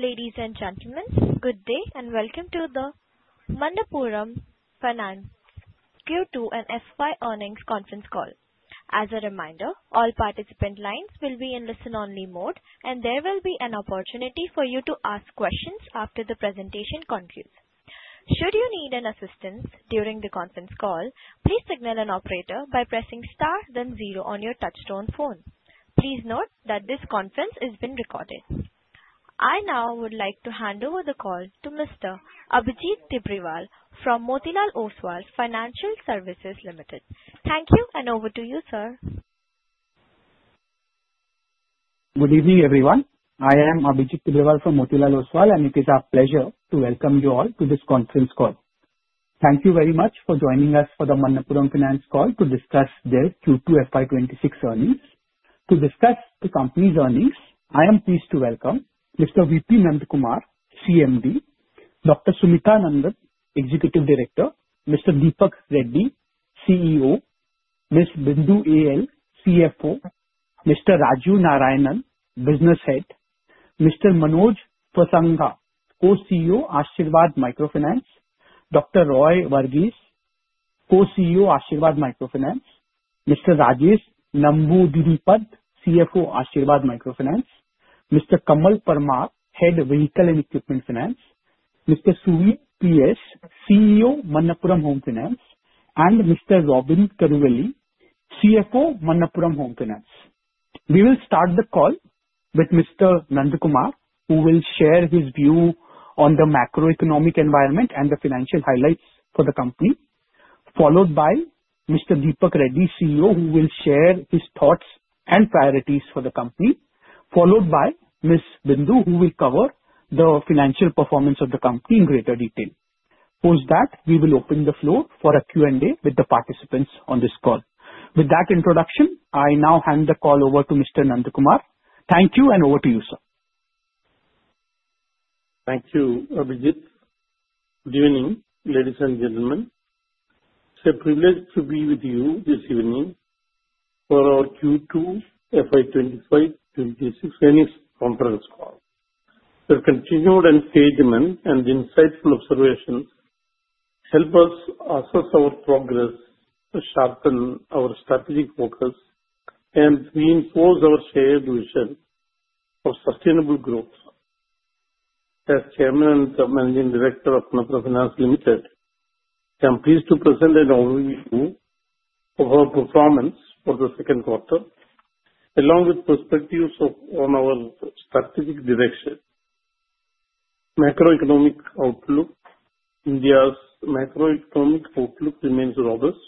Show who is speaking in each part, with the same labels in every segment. Speaker 1: Ladies and gentlemen, good day and welcome to the Manappuram Finance Q2 and FY 2025 Earnings Conference Call. As a reminder, all participant lines will be in listen-only mode, and there will be an opportunity for you to ask questions after the presentation concludes. Should you need any assistance during the conference call, please signal an operator by pressing star then zero on your touch-tone phone. Please note that this conference is being recorded. I now would like to hand over the call to Mr. Abhijit Tibrewal from Motilal Oswal Financial Services Limited. Thank you, and over to you, sir.
Speaker 2: Good evening, everyone. I am Abhijit Tibrewal from Motilal Oswal, and it is our pleasure to welcome you all to this conference call. Thank you very much for joining us for the Manappuram Finance call to discuss their Q2 FY 2026 earnings. To discuss the company's earnings, I am pleased to welcome Mr. V.P. Nandakumar, CMD, Dr. Sumitha Nandan, Executive Director, Mr. Deepak Reddy, CEO, Ms. Bindu A.L., CFO, Mr. Raju Narayanan, Business Head, Mr. Manoj Pasangha, Co-CEO, Asirvad Microfinance, Dr. Roy Varghese, Co-CEO, Asirvad Microfinance, Mr. Rajesh Namboodiripad, CFO, Asirvad Microfinance, Mr. Kamal Parmar, Head of Vehicle and Equipment Finance, Mr. Suveen P.S., CEO, Manappuram Home Finance, and Mr. Robin Karuvelil, CFO, Manappuram Home Finance. We will start the call with Mr. Nandakumar, who will share his view on the macroeconomic environment and the financial highlights for the company, followed by Mr. Deepak Reddy, CEO, who will share his thoughts and priorities for the company, followed by Ms. Bindu, who will cover the financial performance of the company in greater detail. Post that, we will open the floor for a Q&A with the participants on this call. With that introduction, I now hand the call over to Mr. Nandakumar. Thank you, and over to you, sir.
Speaker 3: Thank you, Abhijit. Good evening, ladies and gentlemen. It's a privilege to be with you this evening for our Q2 FY 2025-2026 earnings conference call. Your continued engagement and insightful observations help us assess our progress, sharpen our strategic focus, and reinforce our shared vision of sustainable growth. As Chairman and Managing Director of Manappuram Finance Limited, I am pleased to present an overview of our performance for the second quarter, along with perspectives on our strategic direction. Macroeconomic Outlook: India's macroeconomic outlook remains robust,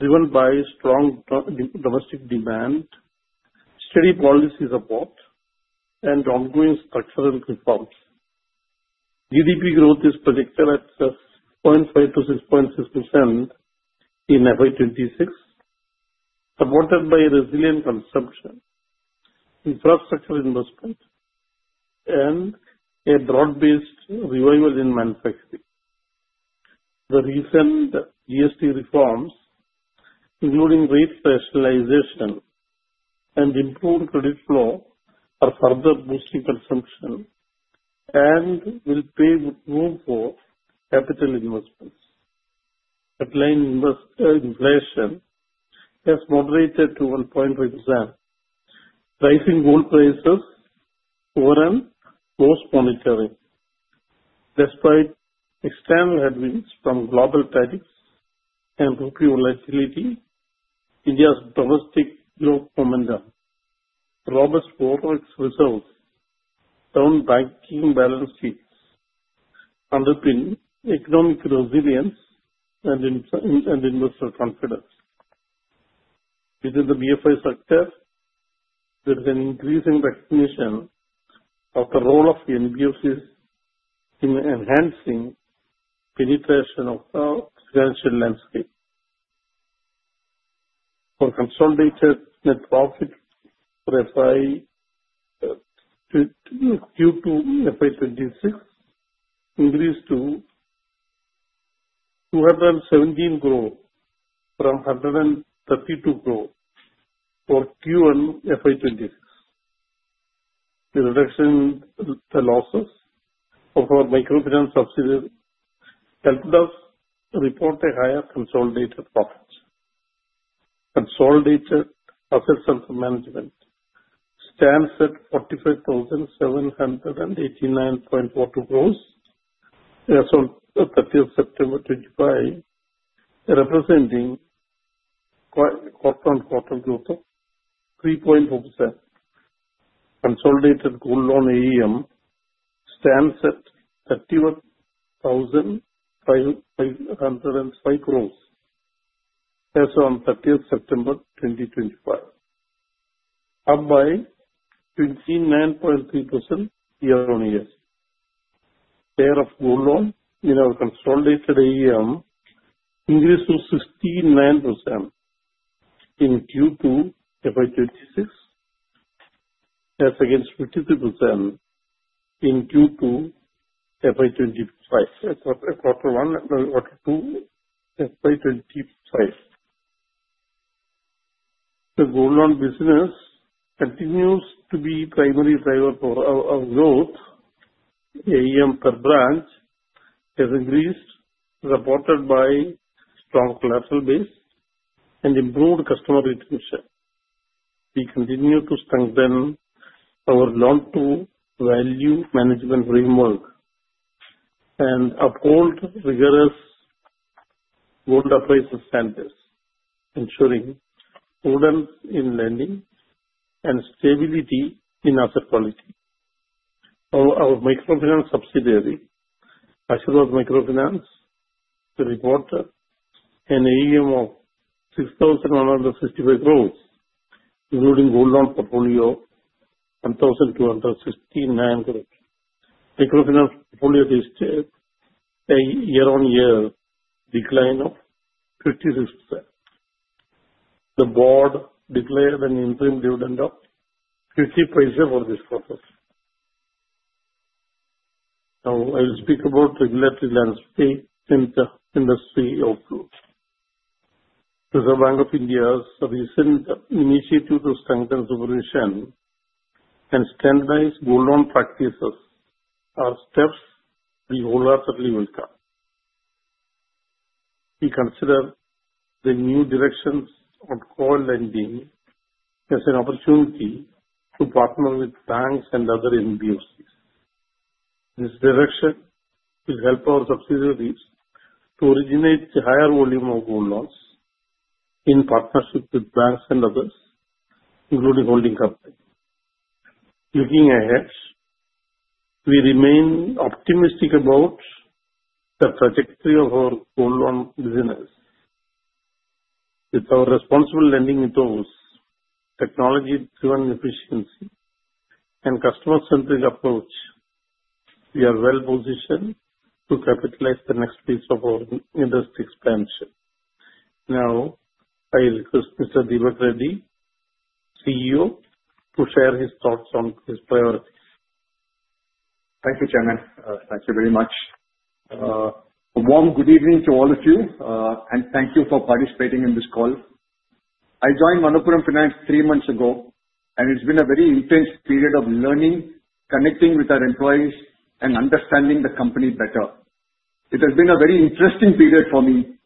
Speaker 3: driven by strong domestic demand, steady policy support, and ongoing structural reforms. GDP growth is projected at 0.5%-6.6% in FY 2026, supported by resilient consumption, infrastructure investment, and a broad-based revival in manufacturing. The recent GST reforms, including rate rationalization and improved credit flow, are further boosting consumption and will pave the road for capital investments. Headline inflation has moderated to 1.5%, driving gold prices overall. Close monitoring. Despite external headwinds from global tariffs and rupee volatility, India's domestic growth momentum, robust forex reserves, and strong banking balance sheets underpin economic resilience and investor confidence. Within the BFSI sector, there is an increasing recognition of the role of NBFCs in enhancing penetration of the financial landscape. For consolidated net profit for Q2 FY 2026, increased to 217 crores from 132 crores for Q1 FY 2026. The reduction in the losses of our microfinance subsidiaries helped us report higher consolidated profits. Consolidated assets under management stands at 45,789.42 crores as of 30 September 2025, representing quarter-on-quarter growth of 3.4%. Consolidated gold loan AUM stands at INR 31,505 crores as of 30 September 2025, up by 29.3% year-on-year. Share of gold loan in our consolidated AUM increased to 69% in Q2 FY 2026, as against 53% in Q2 FY 2025, as of Q1 FY 2025. The gold loan business continues to be the primary driver of growth. AUM per branch has increased, supported by a strong collateral base and improved customer retention. We continue to strengthen our loan-to-value management framework and uphold rigorous gold appraisal standards, ensuring prudence in lending and stability in asset quality. Our microfinance subsidiary, Asirvad Microfinance, reported an AUM of 6,155 crores, including gold loan portfolio of 1,259 crores. Microfinance portfolio registered a year-on-year decline of 56%. The board declared an interim dividend of 50% for this purpose. Now, I will speak about the regulatory landscape in the industry outlook. Reserve Bank of India's recent initiative to strengthen supervision and standardize gold loan practices are steps we wholeheartedly welcome. We consider the new directions on co-lending as an opportunity to partner with banks and other NBFCs. This direction will help our subsidiaries to originate a higher volume of gold loans in partnership with banks and others, including holding companies. Looking ahead, we remain optimistic about the trajectory of our gold loan business. With our responsible lending methods, technology-driven efficiency, and customer-centric approach, we are well-positioned to capitalize the next phase of our industry expansion. Now, I will request Mr. Deepak Reddy, CEO, to share his thoughts on his priorities.
Speaker 4: Thank you, Chairman. Thank you very much. A warm good evening to all of you, and thank you for participating in this call. I joined Manappuram Finance three months ago, and it's been a very intense period of learning, connecting with our employees, and understanding the company better. It has been a very interesting period for me,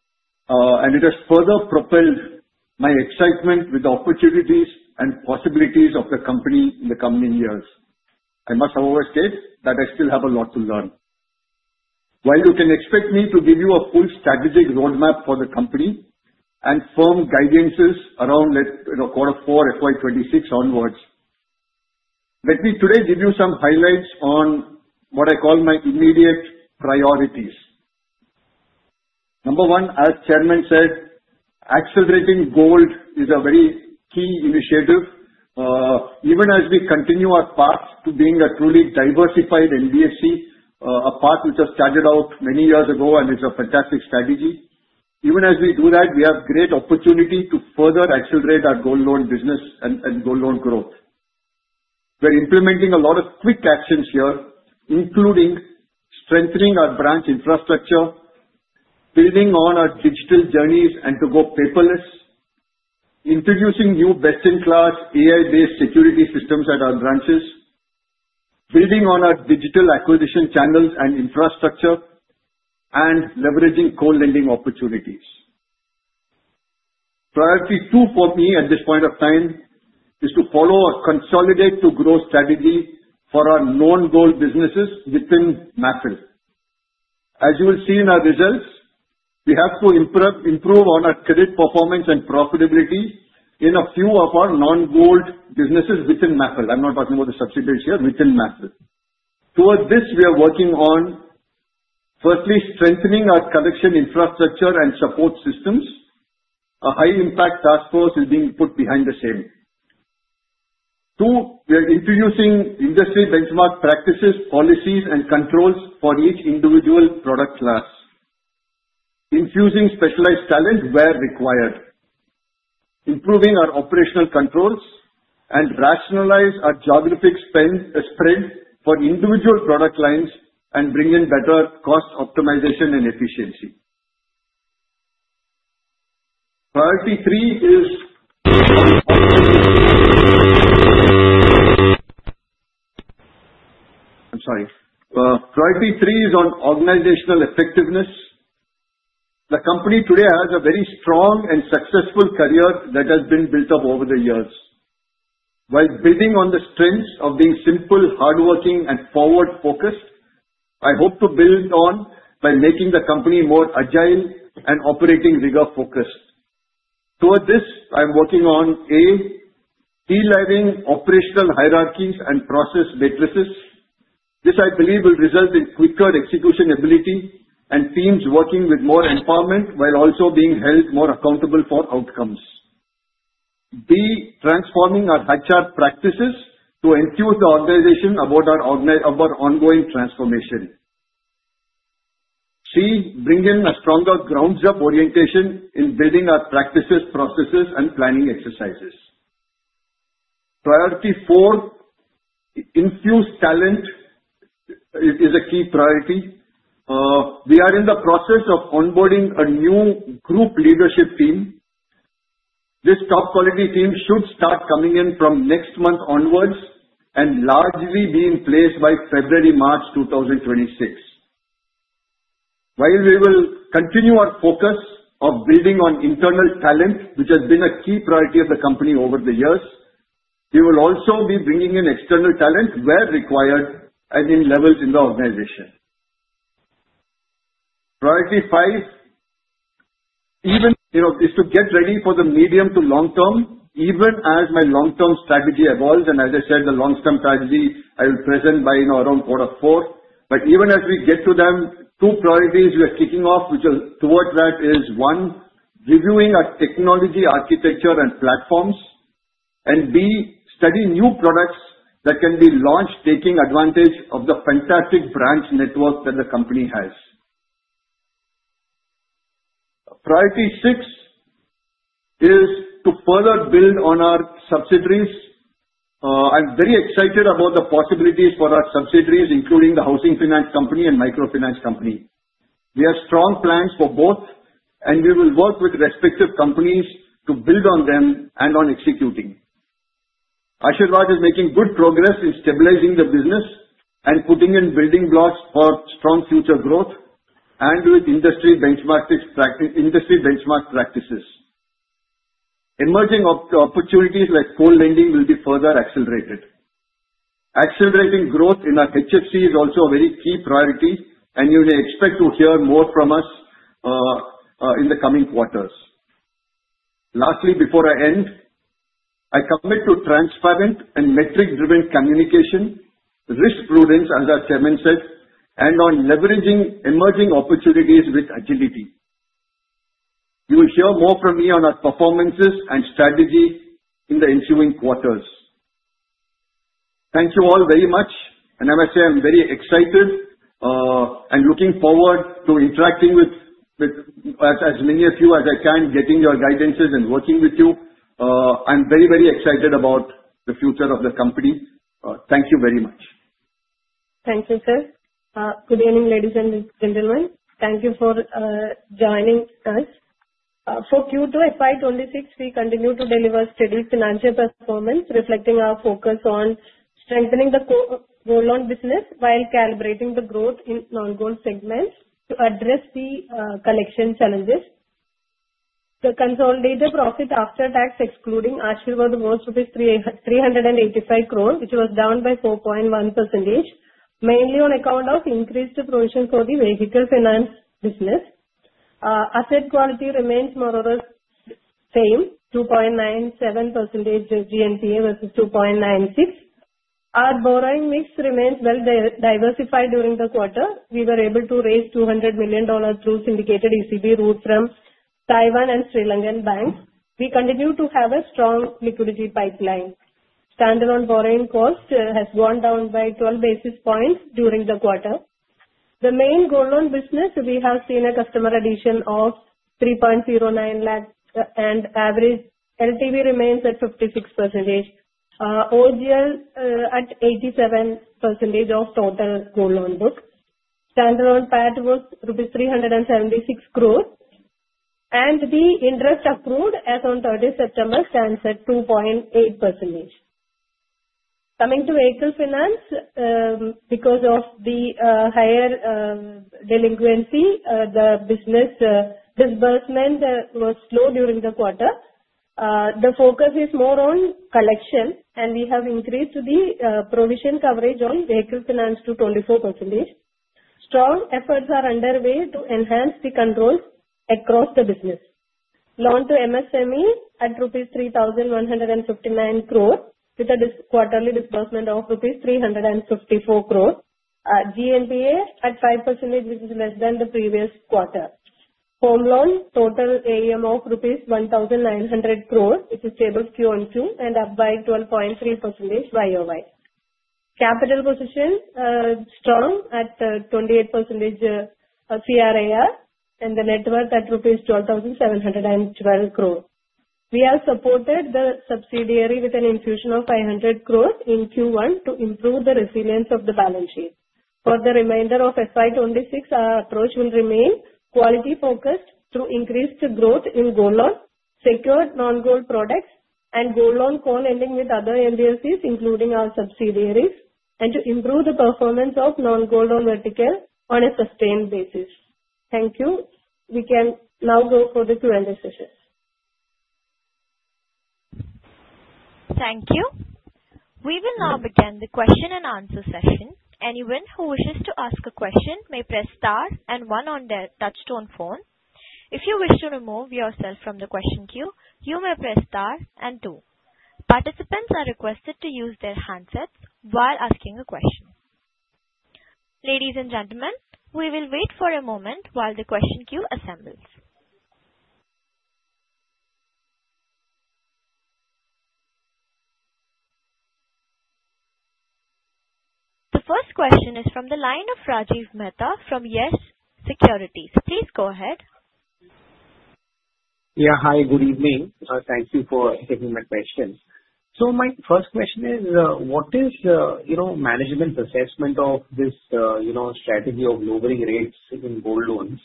Speaker 4: and it has further propelled my excitement with the opportunities and possibilities of the company in the coming years. I must, however, state that I still have a lot to learn. While you can expect me to give you a full strategic roadmap for the company and firm guidances around Q4 FY 26 onwards, let me today give you some highlights on what I call my immediate priorities. Number one, as Chairman said, accelerating gold is a very key initiative. Even as we continue our path to being a truly diversified NBFC, a path which was charted out many years ago and is a fantastic strategy, even as we do that, we have great opportunity to further accelerate our gold loan business and gold loan growth. We're implementing a lot of quick actions here, including strengthening our branch infrastructure, building on our digital journeys and to go paperless, introducing new best-in-class AI-based security systems at our branches, building on our digital acquisition channels and infrastructure, and leveraging co-lending opportunities. Priority two for me at this point of time is to follow a consolidate-to-growth strategy for our non-gold businesses within MAFL. As you will see in our results, we have to improve on our credit performance and profitability in a few of our non-gold businesses within MAFL. I'm not talking about the subsidiaries here; within MAFL. Towards this, we are working on, firstly, strengthening our collection infrastructure and support systems. A high-impact task force is being put behind the scenes. Two, we are introducing industry benchmark practices, policies, and controls for each individual product class, infusing specialized talent where required, improving our operational controls, and rationalizing our geographic spread for individual product lines and bringing better cost optimization and efficiency. Priority three is on organizational effectiveness. I'm sorry. Priority three is on organizational effectiveness. The company today has a very strong and successful culture that has been built up over the years. While building on the strengths of being simple, hardworking, and forward-focused, I hope to build on by making the company more agile and operating rigor-focused. Towards this, I'm working on, A, de-layering operational hierarchies and process workflows. This, I believe, will result in quicker execution ability and teams working with more empowerment while also being held more accountable for outcomes. B, transforming our HR practices to enthuse the organization about our ongoing transformation. C, bringing a stronger grounds-up orientation in building our practices, processes, and planning exercises. Priority four, infuse talent, is a key priority. We are in the process of onboarding a new group leadership team. This top-quality team should start coming in from next month onwards and largely be in place by February, March 2026. While we will continue our focus of building on internal talent, which has been a key priority of the company over the years, we will also be bringing in external talent where required and in levels in the organization. Priority five is to get ready for the medium to long term, even as my long-term strategy evolves. As I said, the long-term strategy I will present by around Q4. But even as we get to them, two priorities we are kicking off, which are towards that is, one, reviewing our technology architecture and platforms, and B, studying new products that can be launched, taking advantage of the fantastic branch network that the company has. Priority six is to further build on our subsidiaries. I'm very excited about the possibilities for our subsidiaries, including the housing finance company and microfinance company. We have strong plans for both, and we will work with respective companies to build on them and on executing. Asirvad is making good progress in stabilizing the business and putting in building blocks for strong future growth and with industry benchmark practices. Emerging opportunities like co-lending will be further accelerated. Accelerating growth in our HFC is also a very key priority, and you may expect to hear more from us in the coming quarters. Lastly, before I end, I commit to transparent and metric-driven communication, risk prudence, as our Chairman said, and on leveraging emerging opportunities with agility. You will hear more from me on our performances and strategy in the ensuing quarters. Thank you all very much, and I must say I'm very excited and looking forward to interacting with as many of you as I can, getting your guidances and working with you. I'm very, very excited about the future of the company. Thank you very much.
Speaker 5: Thank you, sir. Good evening, ladies and gentlemen. Thank you for joining us. For Q2 FY 2026, we continue to deliver steady financial performance, reflecting our focus on strengthening the gold loan business while calibrating the growth in non-gold segments to address the collection challenges. The consolidated profit after tax, excluding Asirvad, was rupees 385 crore, which was down by 4.1%, mainly on account of increased provision for the vehicle finance business. Asset quality remains more or less the same, 2.97% GNPA versus 2.96%. Our borrowing mix remains well-diversified during the quarter. We were able to raise $200 million through syndicated ECB route from Taiwan and Sri Lankan banks. We continue to have a strong liquidity pipeline. Stand-alone borrowing cost has gone down by 12 basis points during the quarter. The main gold loan business, we have seen a customer addition of 3.09 lakh, and average LTV remains at 56%. OGL at 87% of total gold loan book. Stand-alone PAT was rupees 376 crore, and the interest accrued as on 30 September stands at 2.8%. Coming to vehicle finance, because of the higher delinquency, the business disbursement was slow during the quarter. The focus is more on collection, and we have increased the provision coverage on vehicle finance to 24%. Strong efforts are underway to enhance the controls across the business. Loan to MSME at rupees 3,159 crore, with a quarterly disbursement of rupees 354 crore. GNPA at 5%, which is less than the previous quarter. Home loan, total AUM of rupees 1,900 crore, which is stable Q on Q and up by 12.3% YOY. Capital position strong at 28% CRAR and the net worth at rupees 12,712 crore. We have supported the subsidiary with an infusion of 500 crore in Q1 to improve the resilience of the balance sheet. For the remainder of FY 2026, our approach will remain quality-focused through increased growth in gold loan, secured non-gold products, and gold loan co-lending with other NBFCs, including our subsidiaries, and to improve the performance of non-gold loan vertical on a sustained basis. Thank you. We can now go for the Q&A session.
Speaker 1: Thank you. We will now begin the question and answer session. Anyone who wishes to ask a question may press star and one on their touchtone phone. If you wish to remove yourself from the question queue, you may press star and two. Participants are requested to use their handsets while asking a question. Ladies and gentlemen, we will wait for a moment while the question queue assembles. The first question is from the line of Rajiv Mehta from YES Securities. Please go ahead.
Speaker 6: Yeah, hi, good evening. Thank you for taking my question. So my first question is, what is management's assessment of this strategy of lowering rates in gold loans?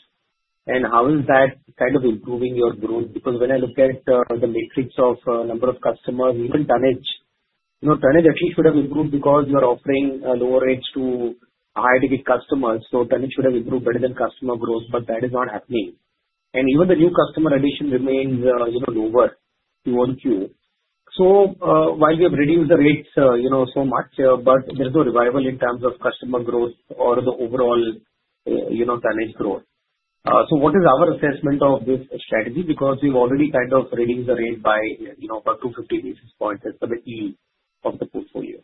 Speaker 6: And how is that kind of improving your growth? Because when I look at the metrics of number of customers, even tonnage, tonnage actually should have improved because you are offering lower rates to higher ticket customers. So tonnage should have improved better than customer growth, but that is not happening. And even the new customer addition remains lower Q on Q. So while we have reduced the rates so much, but there's no revival in terms of customer growth or the overall tonnage growth. So what is our assessment of this strategy? Because we've already kind of reduced the rate by about 250 basis points. That's the yield of the portfolio.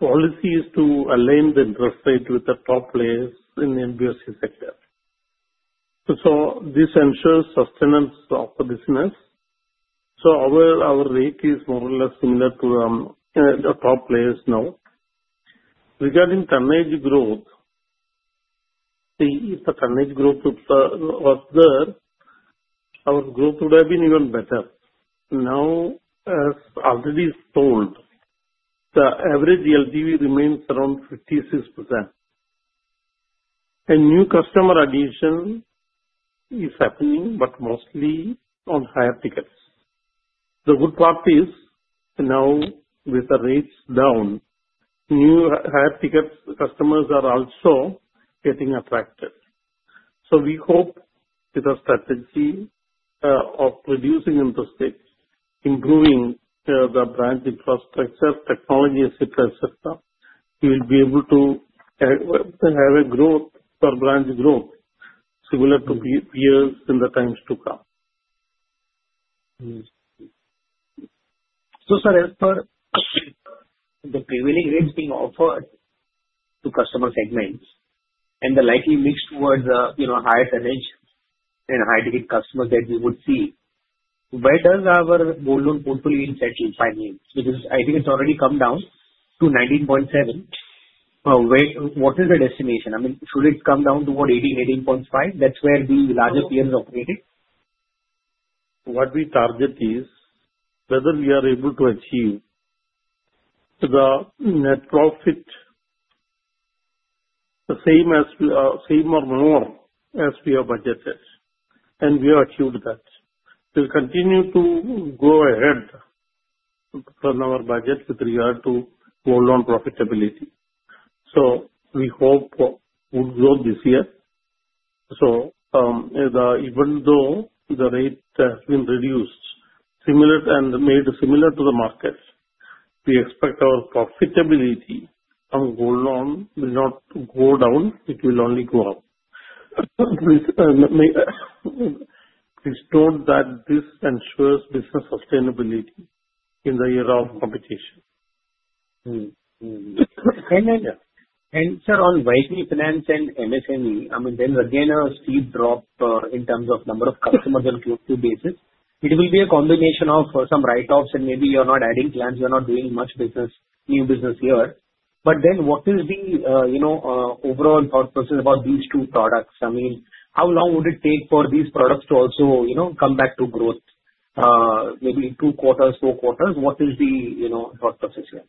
Speaker 3: Policy is to align the interest rate with the top players in the NBFC sector. This ensures sustenance of the business. Our rate is more or less similar to the top players' note. Regarding tonnage growth, if the tonnage growth was there, our growth would have been even better. Now, as already told, the average LTV remains around 56%. New customer addition is happening, but mostly on higher tickets. The good part is now with the rates down, new higher ticket customers are also getting attracted. We hope with our strategy of reducing interest rates, improving the branch infrastructure, technology, etc., etc., we will be able to have a growth for branch growth similar to peers in the times to come.
Speaker 6: So sir, as per the prevailing rates being offered to customer segments and the likely mix towards higher tonnage and higher ticket customers that we would see, where does our gold loan portfolio yield settle? Because I think it's already come down to 19.7%. What is the destination? I mean, should it come down to about 18%-18.5%? That's where the larger peers operate.
Speaker 3: What we target is whether we are able to achieve the net profit the same or more as we have budgeted, and we have achieved that. We'll continue to go ahead on our budget with regard to gold loan profitability. So we hope we'll grow this year. So even though the rate has been reduced and made similar to the market, we expect our profitability on gold loan will not go down. It will only go up. Please note that this ensures business sustainability in the year of competition.
Speaker 6: Sir, on vehicle finance and MSME, I mean, there's again a steep drop in terms of number of customers and Q2 basis. It will be a combination of some write-offs, and maybe you're not adding plans. You're not doing much business, new business here. But then what is the overall thought process about these two products? I mean, how long would it take for these products to also come back to growth, maybe two quarters, four quarters? What is the thought process here?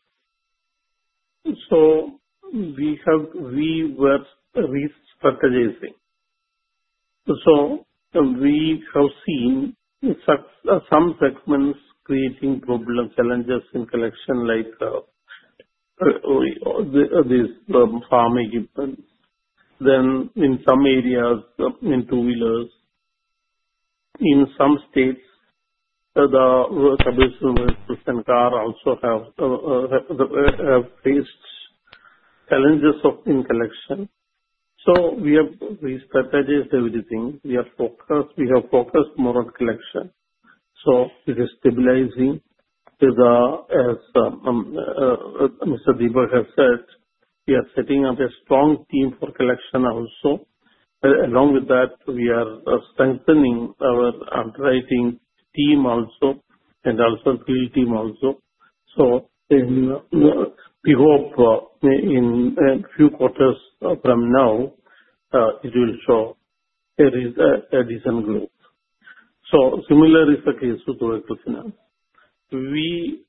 Speaker 3: We were risk strategizing. We have seen some segments creating problem challenges in collection like these farm equipment. Then in some areas, in two-wheelers. In some states, the subprime and car also have faced challenges in collection. We have risk strategized everything. We have focused more on collection. It is stabilizing. As Mr. Deepak has said, we are setting up a strong team for collection also. Along with that, we are strengthening our underwriting team also and also field team also. We hope in a few quarters from now, it will show there is a decent growth. Similar is the case with vehicle finance. The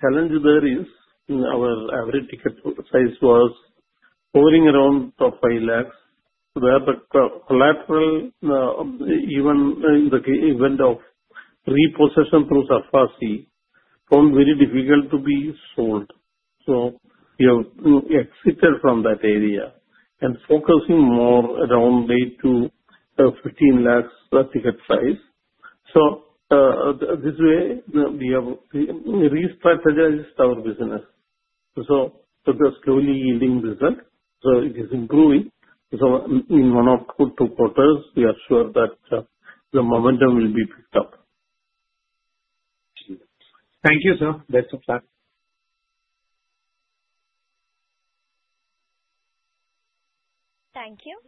Speaker 3: challenge there is our average ticket size was hovering around 5 lakh. The collateral, even in the event of repossession through SARFAESI, found very difficult to be sold. So we have exited from that area and focusing more around INR 8 lakh to 15 lakh ticket size. So this way, we have risk strategized our business. So it is a slowly yielding business. So it is improving. So in one or two quarters, we are sure that the momentum will be picked up.
Speaker 6: Thank you, sir.
Speaker 3: Thank you.
Speaker 1: Thank you.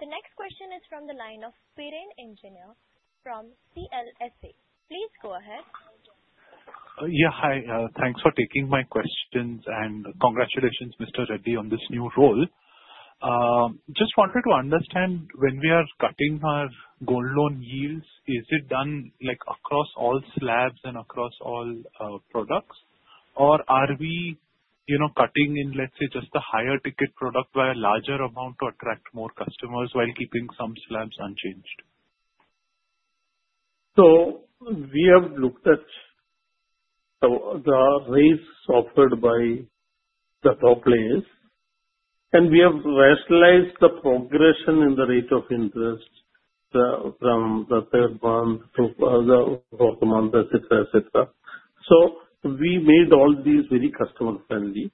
Speaker 1: The next question is from the line of Piran Engineer from CLSA. Please go ahead.
Speaker 7: Yeah, hi. Thanks for taking my questions. And congratulations, Mr. Reddy, on this new role. Just wanted to understand, when we are cutting our gold loan yields, is it done across all slabs and across all products, or are we cutting in, let's say, just the higher ticket product by a larger amount to attract more customers while keeping some slabs unchanged?
Speaker 3: So we have looked at the rates offered by the top players, and we have rationalized the progression in the rate of interest from the third month to the fourth month, etc., etc. So we made all these very customer-friendly.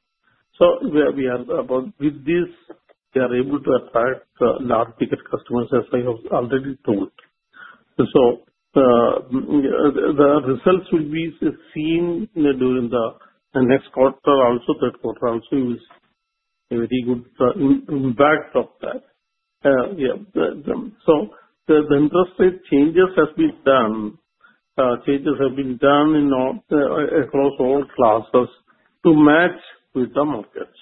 Speaker 3: So with this, we are able to attract large ticket customers, as I have already told. So the results will be seen during the next quarter, also third quarter also will be a very good impact of that. Yeah. So the interest rate changes have been done. Changes have been done across all classes to match with the markets.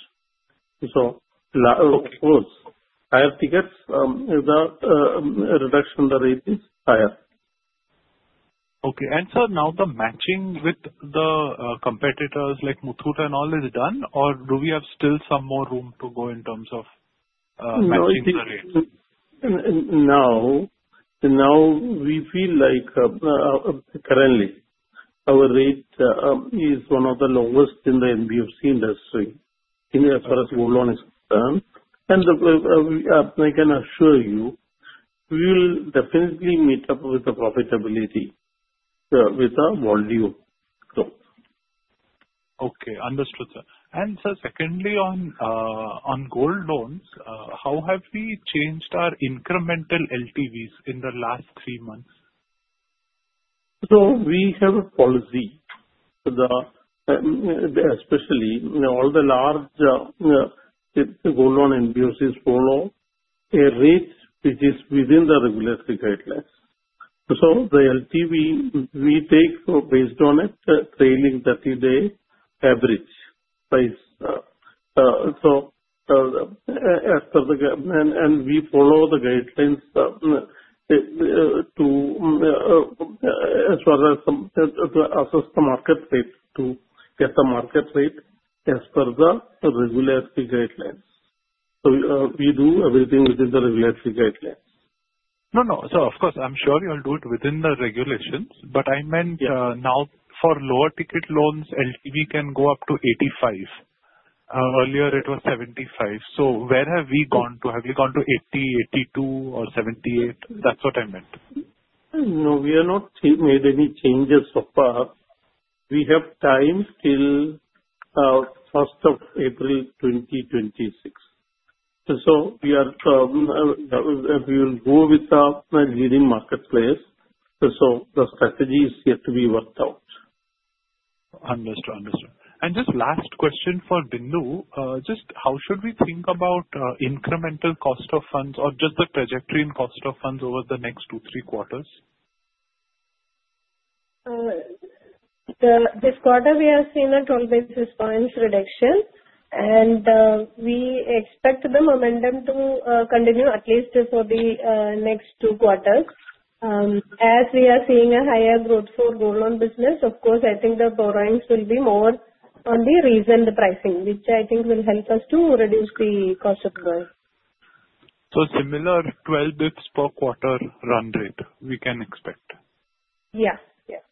Speaker 3: So of course, higher tickets, the reduction in the rate is higher.
Speaker 7: Okay. And sir, now the matching with the competitors like Muthoot and all is done, or do we have still some more room to go in terms of matching the rates?
Speaker 3: Now, we feel like currently, our rate is one of the lowest in the NBFC industry as far as gold loan is concerned. And I can assure you, we will definitely meet up with the profitability with the volume.
Speaker 7: Okay. Understood. And sir, secondly, on gold loans, how have we changed our incremental LTVs in the last three months?
Speaker 3: So we have a policy, especially all the large gold loan NBFCs follow a rate which is within the regulatory guidelines. So the LTV, we take based on it, trailing 30-day average price. So as per the guideline, and we follow the guidelines as far as to assess the market rate, to get the market rate as per the regulatory guidelines. So we do everything within the regulatory guidelines.
Speaker 7: No, no. So of course, I'm sure you'll do it within the regulations. But I meant, now for lower ticket loans, LTV can go up to 85. Earlier, it was 75. So where have we gone to? Have we gone to 80, 82, or 78? That's what I meant.
Speaker 3: No, we have not made any changes so far. We have time till 1st of April 2026. So we will go with the leading marketplace. So the strategy is yet to be worked out.
Speaker 7: Understood. Understood. And just last question for Bindu, just how should we think about incremental cost of funds or just the trajectory and cost of funds over the next two, three quarters?
Speaker 5: This quarter, we have seen a 12 basis points reduction, and we expect the momentum to continue at least for the next two quarters. As we are seeing a higher growth for gold loan business, of course, I think the borrowings will be more on the reasonable pricing, which I think will help us to reduce the cost of growth.
Speaker 8: So, similar 12 bids per quarter run rate we can expect?
Speaker 5: Yeah. Yeah.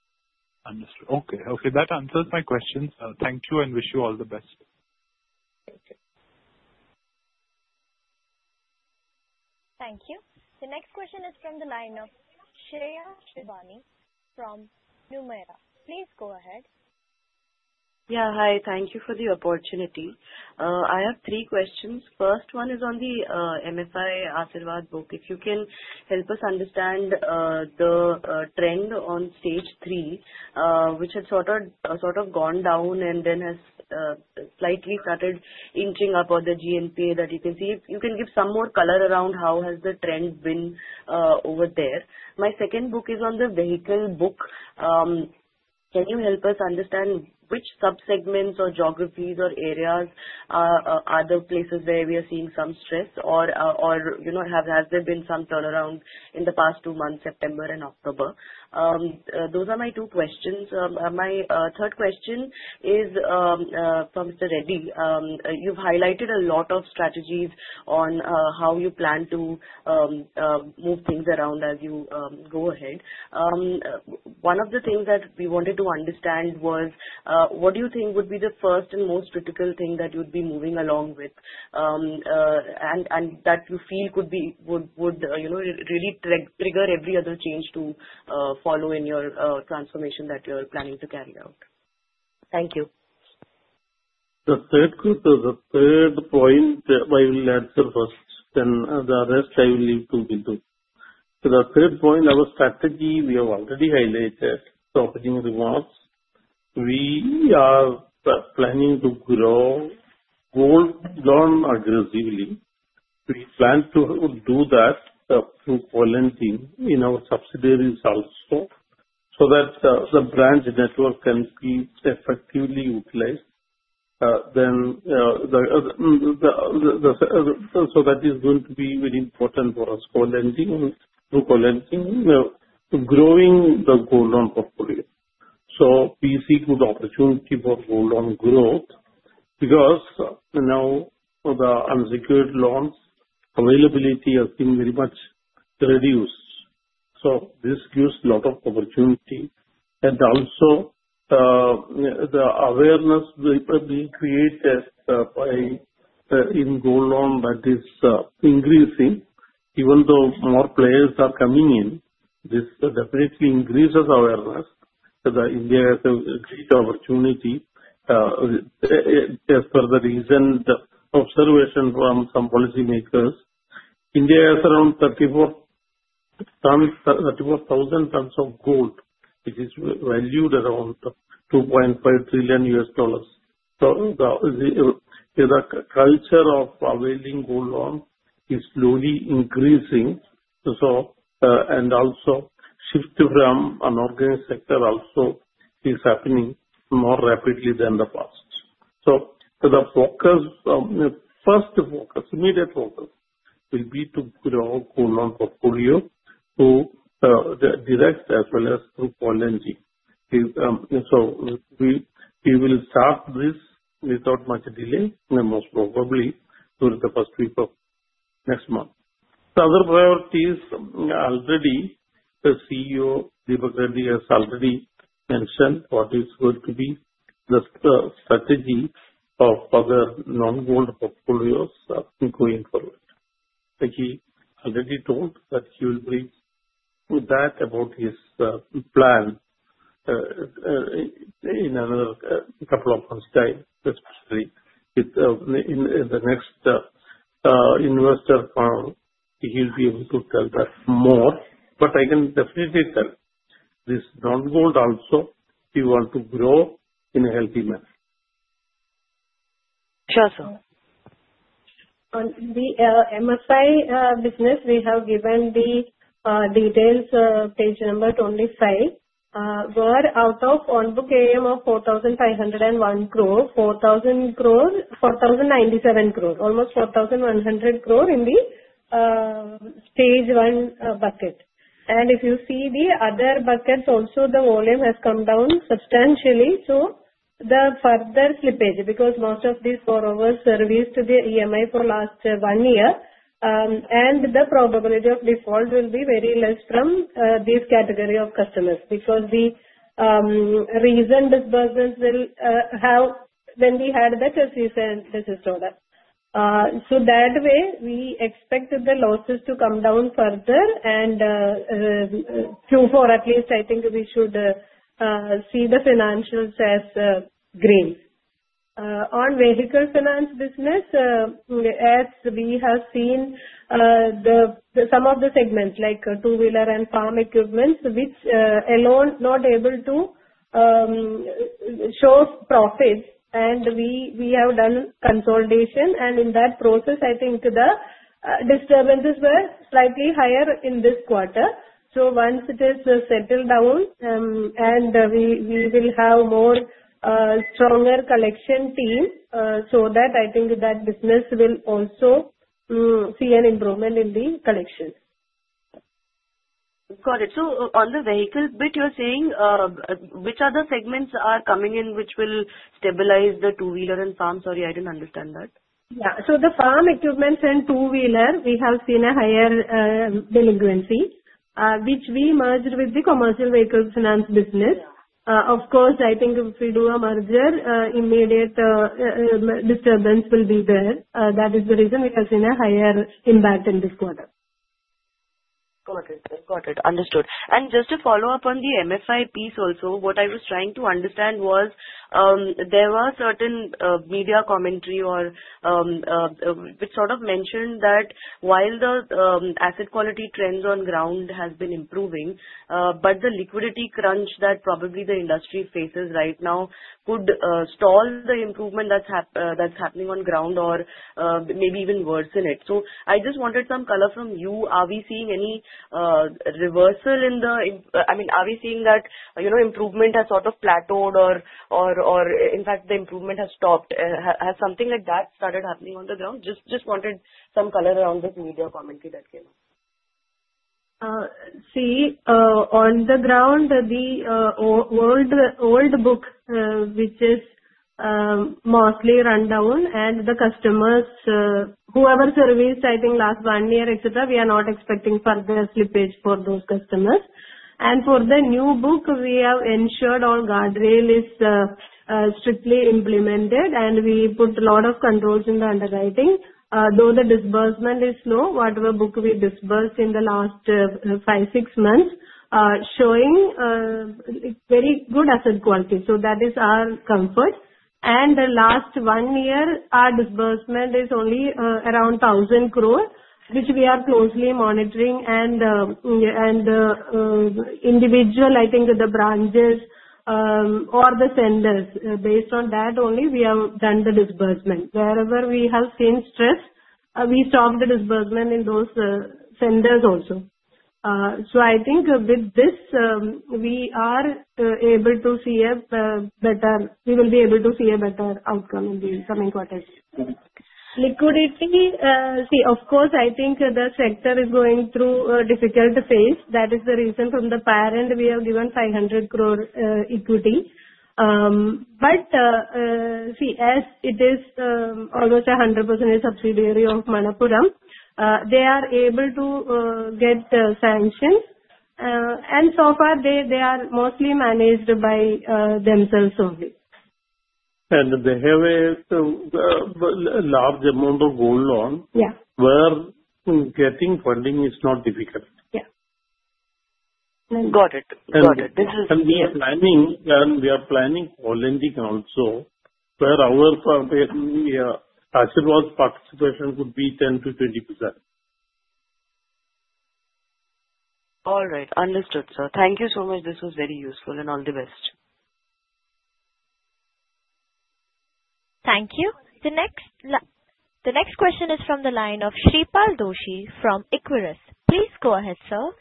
Speaker 7: Understood. Okay. Okay. That answers my questions. Thank you and wish you all the best.
Speaker 5: Thank you.
Speaker 1: Thank you. The next question is from the line of Shreya Shivani from Nomura. Please go ahead.
Speaker 9: Yeah. Hi. Thank you for the opportunity. I have three questions. First one is on the MFI Asirvad book. If you can help us understand the trend on Stage 3, which has sort of gone down and then has slightly started inching up on the GNPA, that you can see if you can give some more color around how has the trend been over there. My second question is on the vehicle book. Can you help us understand which subsegments or geographies or areas are the places where we are seeing some stress, or has there been some turnaround in the past two months, September and October? Those are my two questions. My third question is for Mr. Reddy. You've highlighted a lot of strategies on how you plan to move things around as you go ahead. One of the things that we wanted to understand was, what do you think would be the first and most critical thing that you'd be moving along with and that you feel would really trigger every other change to follow in your transformation that you're planning to carry out? Thank you.
Speaker 3: The third group, the third point, I will answer first, then the rest I will leave to Bindu. So the third point, our strategy, we have already highlighted operating rewards. We are planning to grow gold loan aggressively. We plan to do that through co-lending in our subsidiaries also so that the branch network can be effectively utilized. Then so that is going to be very important for us co-lending through co-lending, growing the gold loan portfolio. So we see good opportunity for gold loan growth because now the unsecured loans availability has been very much reduced. So this gives a lot of opportunity. And also the awareness being created in gold loan that is increasing, even though more players are coming in, this definitely increases awareness that India has a great opportunity. As per the recent observation from some policymakers, India has around 34,000 tons of gold, which is valued around $2.5 trillion. So the culture of availing gold loans is slowly increasing. And also shift from an unorganized sector also is happening more rapidly than the past. So the focus, first focus, immediate focus will be to grow gold loan portfolio through direct as well as through co-lending. So we will start this without much delay, most probably during the first week of next month. The other priorities already, the CEO Deepak Reddy has already mentioned what is going to be the strategy of other non-gold portfolios going forward. He already told that he will bring that about his plan in another couple of months' time, especially in the next investor panel. He'll be able to tell that more. But I can definitely tell this non-gold also, we want to grow in a healthy manner.
Speaker 9: Sure, sir.
Speaker 5: On the MFI business, we have given the details page number 25. We wrote off on-book AUM of 4,501 crore rupees, 4,000 crore, 4,097 crore, almost 4,100 crore in the stage 1 bucket. And if you see the other buckets, also the volume has come down substantially. So the further slippage because most of these have serviced the EMI for last one year, and the probability of default will be very less from this category of customers because the recent disbursements were when we had the cease and desist order. So that way, we expect the losses to come down further and Q4 at least, I think we should see the financials as green. On vehicle finance business, as we have seen some of the segments like two-wheeler and farm equipment, which alone not able to show profits, and we have done consolidation. And in that process, I think the disturbances were slightly higher in this quarter, so once it is settled down and we will have more stronger collection team, so that I think that business will also see an improvement in the collection.
Speaker 9: Got it. So on the vehicle bit, you're saying which other segments are coming in which will stabilize the two-wheeler and farm? Sorry, I didn't understand that.
Speaker 5: Yeah. So the farm equipment and two-wheeler, we have seen a higher delinquency, which we merged with the commercial vehicle finance business. Of course, I think if we do a merger, immediate disturbance will be there. That is the reason we have seen a higher impact in this quarter.
Speaker 9: Got it. Got it. Understood. And just to follow up on the MFI piece also, what I was trying to understand was there were certain media commentary or it sort of mentioned that while the asset quality trends on ground have been improving, but the liquidity crunch that probably the industry faces right now could stall the improvement that's happening on ground or maybe even worsen it. So I just wanted some color from you. Are we seeing any reversal in the I mean, are we seeing that improvement has sort of plateaued or, in fact, the improvement has stopped? Has something like that started happening on the ground? Just wanted some color around this media commentary that came up.
Speaker 5: See, on the ground, the old book, which is mostly rundown, and the customers, whoever serviced, I think, last one year, etc., we are not expecting further slippage for those customers, and for the new book, we have ensured all guardrail is strictly implemented, and we put a lot of controls in the underwriting, though the disbursement is slow. Whatever book we disbursed in the last five, six months, showing very good asset quality, so that is our comfort, and the last one year, our disbursement is only around 1,000 crore, which we are closely monitoring, and individually, I think, the branches or the centers, based on that only, we have done the disbursement. Wherever we have seen stress, we stopped the disbursement in those centers also. I think with this, we will be able to see a better outcome in the coming quarters. Liquidity, see, of course, I think the sector is going through a difficult phase. That is the reason from the parent, we have given 500 crore equity. But see, as it is almost a 100% subsidiary of Manappuram, they are able to get sanctions. And so far, they are mostly managed by themselves only.
Speaker 3: They have a large amount of gold loan where getting funding is not difficult.
Speaker 5: Yeah.
Speaker 9: Got it. Got it.
Speaker 3: We are planning co-lending also where our Asirvad participation could be 10%-20%.
Speaker 9: All right. Understood, sir. Thank you so much. This was very useful and all the best.
Speaker 1: Thank you. The next question is from the line of Shreepal Doshi from Equirus. Please go ahead, sir.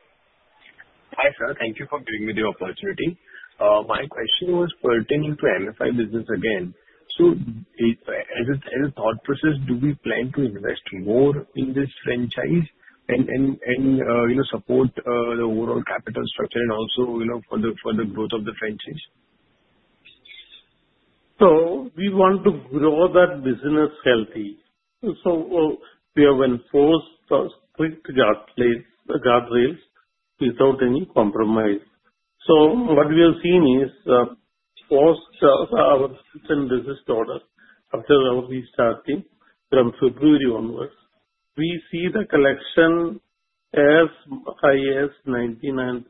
Speaker 10: Hi, sir. Thank you for giving me the opportunity. My question was pertaining to MFI business again. So as a thought process, do we plan to invest more in this franchise and support the overall capital structure and also for the growth of the franchise?
Speaker 3: So we want to grow that business healthy. So we have enforced strict guardrails without any compromise. So what we have seen is post our recent business order, after we started from February onwards, we see the collection as high as 99.8%.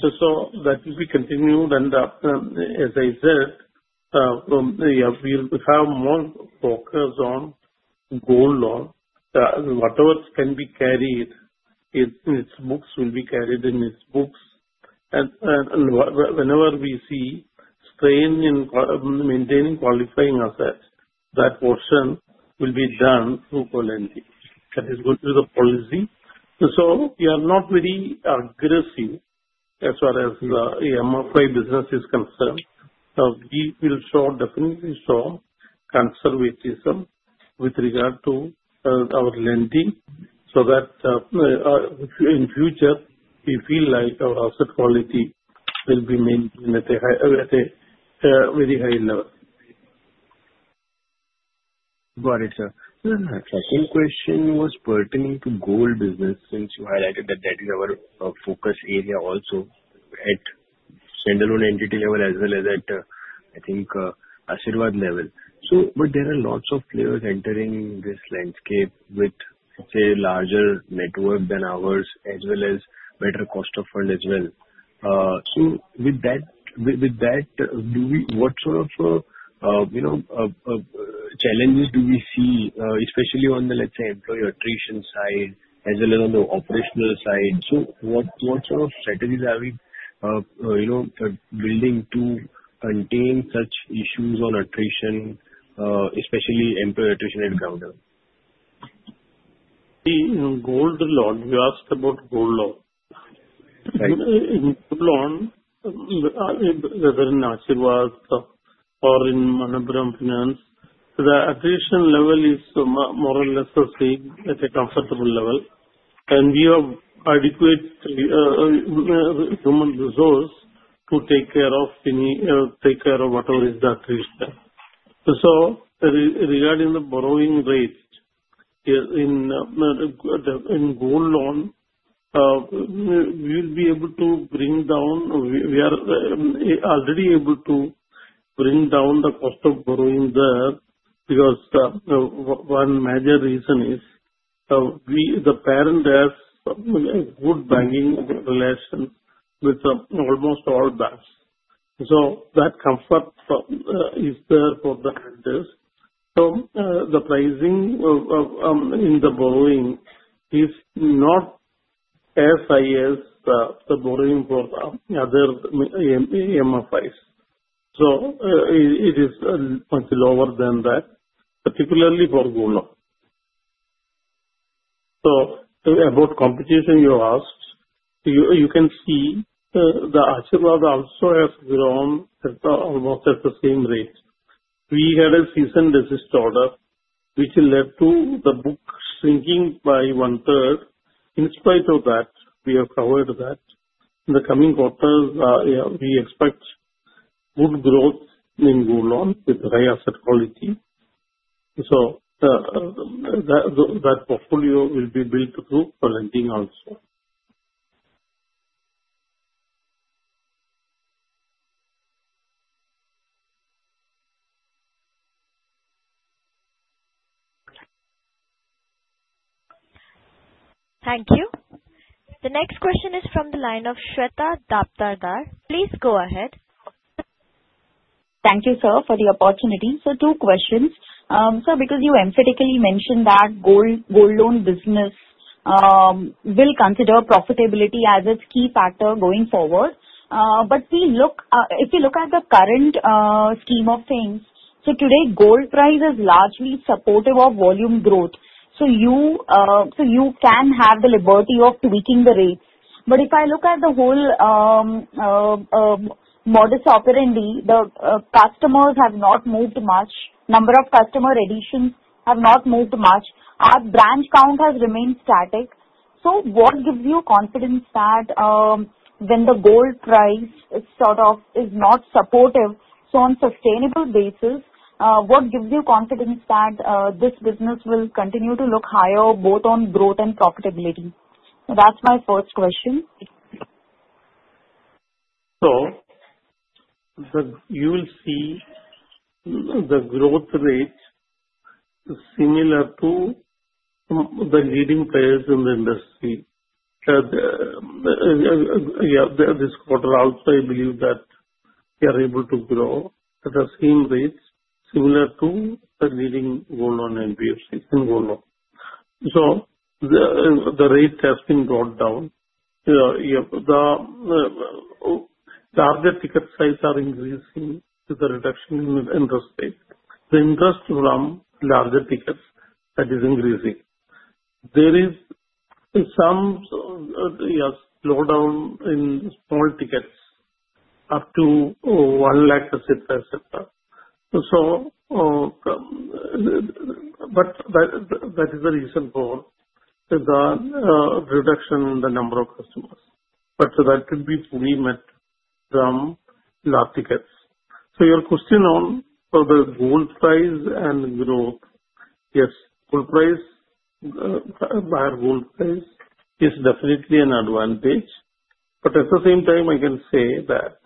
Speaker 3: So that will be continued. And as I said, we will have more focus on gold loan. Whatever can be carried in its books will be carried in its books. And whenever we see strain in maintaining qualifying assets, that portion will be done through co-lending. That is going to be the policy. So we are not very aggressive as far as the MFI business is concerned. We will definitely show conservatism with regard to our lending so that in future, we feel like our asset quality will be maintained at a very high level.
Speaker 10: Got it, sir. The second question was pertaining to gold business since you highlighted that that is our focus area also at standalone entity level as well as at, I think, Asirvad level. But there are lots of players entering this landscape with, let's say, larger network than ours as well as better cost of fund as well. So with that, what sort of challenges do we see, especially on the, let's say, employee attrition side as well as on the operational side? So what sort of strategies are we building to contain such issues on attrition, especially employee attrition at ground level?
Speaker 3: See, gold loan. You asked about gold loan. In gold loan, whether in Asirvad or in Manappuram Finance, the attrition level is more or less at a comfortable level, and we have adequate human resource to take care of whatever is the attrition. So regarding the borrowing rate, in gold loan, we will be able to bring down. We are already able to bring down the cost of borrowing there because one major reason is the parent has a good banking relation with almost all banks. So that comfort is there for the lenders. So the pricing in the borrowing is not as high as the borrowing for other MFIs. So it is much lower than that, particularly for gold loan. So about competition, you asked, you can see the Asirvad also has grown almost at the same rate. We had a cease and desist order, which led to the book shrinking by one-third. In spite of that, we have covered that. In the coming quarters, we expect good growth in gold loan with high asset quality. So that portfolio will be built through co-lending also.
Speaker 1: Thank you. The next question is from the line of Shweta Daptardar. Please go ahead.
Speaker 11: Thank you, sir, for the opportunity. So, two questions. Sir, because you emphatically mentioned that the gold loan business will consider profitability as its key factor going forward, but if you look at the current scheme of things, so today gold price is largely supportive of volume growth. So, you can have the liberty of tweaking the rates, but if I look at the whole modus operandi, the customers have not moved much. Number of customer additions have not moved much. Our branch count has remained static. So, what gives you confidence that when the gold price sort of is not supportive, so on a sustainable basis, what gives you confidence that this business will continue to look higher both on growth and profitability? So, that's my first question.
Speaker 3: So you will see the growth rate similar to the leading players in the industry. Yeah, this quarter also, I believe that we are able to grow at the same rates similar to the leading gold loan and gold loan. So the rate has been brought down. The larger ticket size are increasing with the reduction in interest rate. The interest from larger tickets, that is increasing. There is some slowdown in small tickets up to 1 lakh, etc., etc. But that is the reason for the reduction in the number of customers. But that could be fully met from large tickets. So your question on the gold price and growth, yes, gold price, buyer gold price is definitely an advantage. But at the same time, I can say that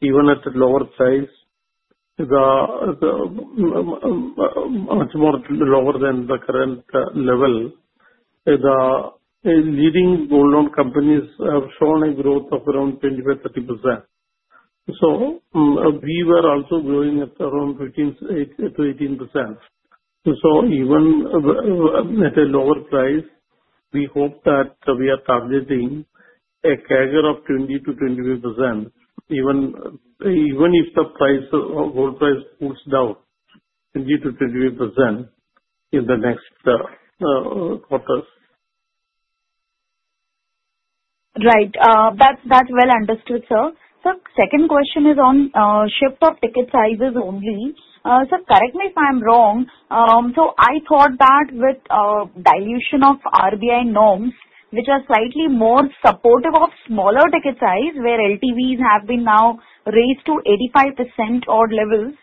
Speaker 3: even at lower price, much more lower than the current level, the leading gold loan companies have shown a growth of around 20%-30%. So we were also growing at around 15%-18%. So even at a lower price, we hope that we are targeting a CAGR of 20%-25%, even if the gold price cools down 20%-25% in the next quarters.
Speaker 11: Right. That's well understood, sir. So second question is on shift of ticket sizes only. Sir, correct me if I'm wrong. So I thought that with dilution of RBI norms, which are slightly more supportive of smaller ticket size, where LTVs have been now raised to 85% or levels.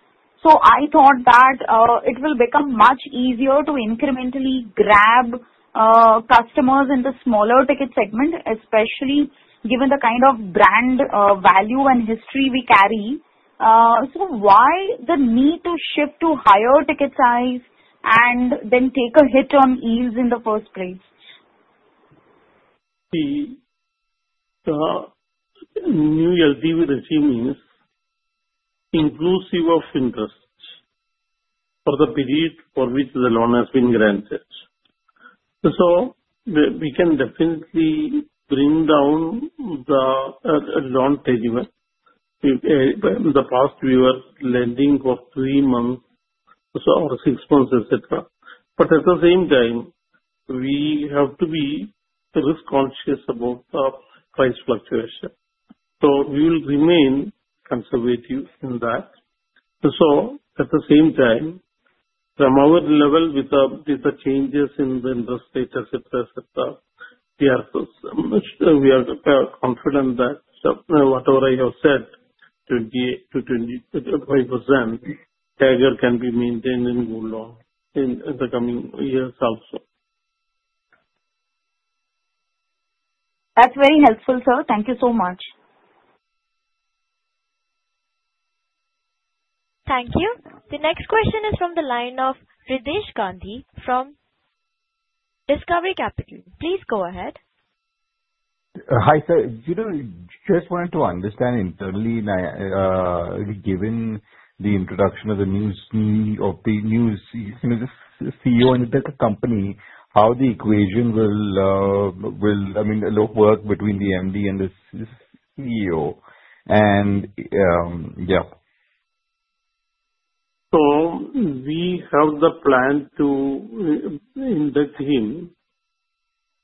Speaker 11: So I thought that it will become much easier to incrementally grab customers in the smaller ticket segment, especially given the kind of brand value and history we carry. So why the need to shift to higher ticket size and then take a hit on yields in the first place?
Speaker 3: See, the new LTV regime is inclusive of interest for the period for which the loan has been granted. So we can definitely bring down the loan payment. In the past, we were lending for three months or six months, etc. But at the same time, we have to be risk conscious about the price fluctuation. So we will remain conservative in that. So at the same time, from our level, with the changes in the interest rate, etc., etc., we are confident that whatever I have said, 20%-25% CAGR can be maintained in gold loan in the coming years also.
Speaker 11: That's very helpful, sir. Thank you so much.
Speaker 1: Thank you. The next question is from the line of Riddhesh Gandhi from Discovery Capital. Please go ahead.
Speaker 12: Hi, sir. Just wanted to understand internally, given the introduction of the new CEO and the company, how the equation will, I mean, work between the MD and the CEO, and yeah.
Speaker 3: We have the plan to induct him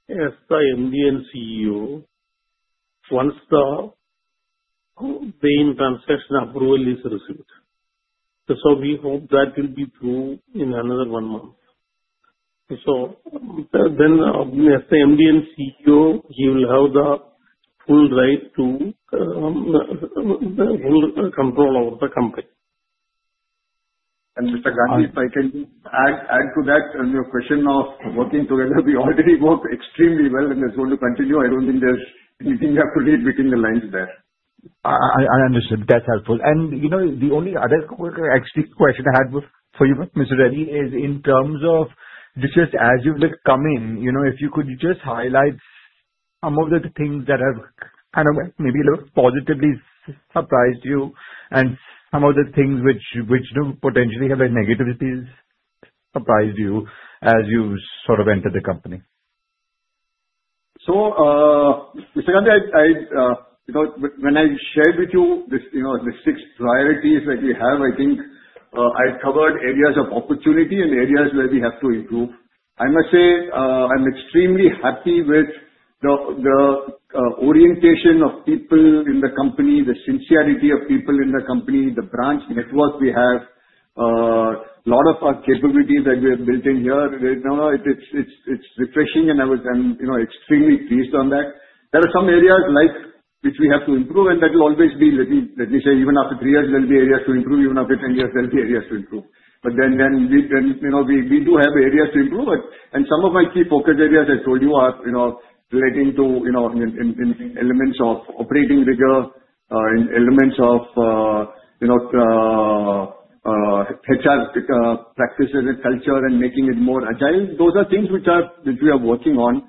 Speaker 3: as the MD and CEO once the main transaction approval is received. We hope that will be through in another one month. Then as the MD and CEO, he will have the full right to control over the company.
Speaker 4: Mr. Gandhi, if I can add to that, your question of working together, we already work extremely well and it's going to continue. I don't think there's anything you have to read between the lines there.
Speaker 12: I understood. That's helpful. And the only other question I had for you, Mr. Reddy, is in terms of just as you've come in, if you could just highlight some of the things that have kind of maybe positively surprised you and some of the things which potentially have negatively surprised you as you sort of entered the company?
Speaker 4: So Mr. Gandhi, when I shared with you the six priorities that we have, I think I covered areas of opportunity and areas where we have to improve. I must say I'm extremely happy with the orientation of people in the company, the sincerity of people in the company, the branch network we have, a lot of capabilities that we have built in here. It's refreshing and I was extremely pleased on that. There are some areas which we have to improve and that will always be, let me say, even after three years, there will be areas to improve. Even after 10 years, there will be areas to improve. But then we do have areas to improve. And some of my key focus areas I told you are relating to elements of operating rigor, elements of HR practices and culture and making it more agile. Those are things which we are working on,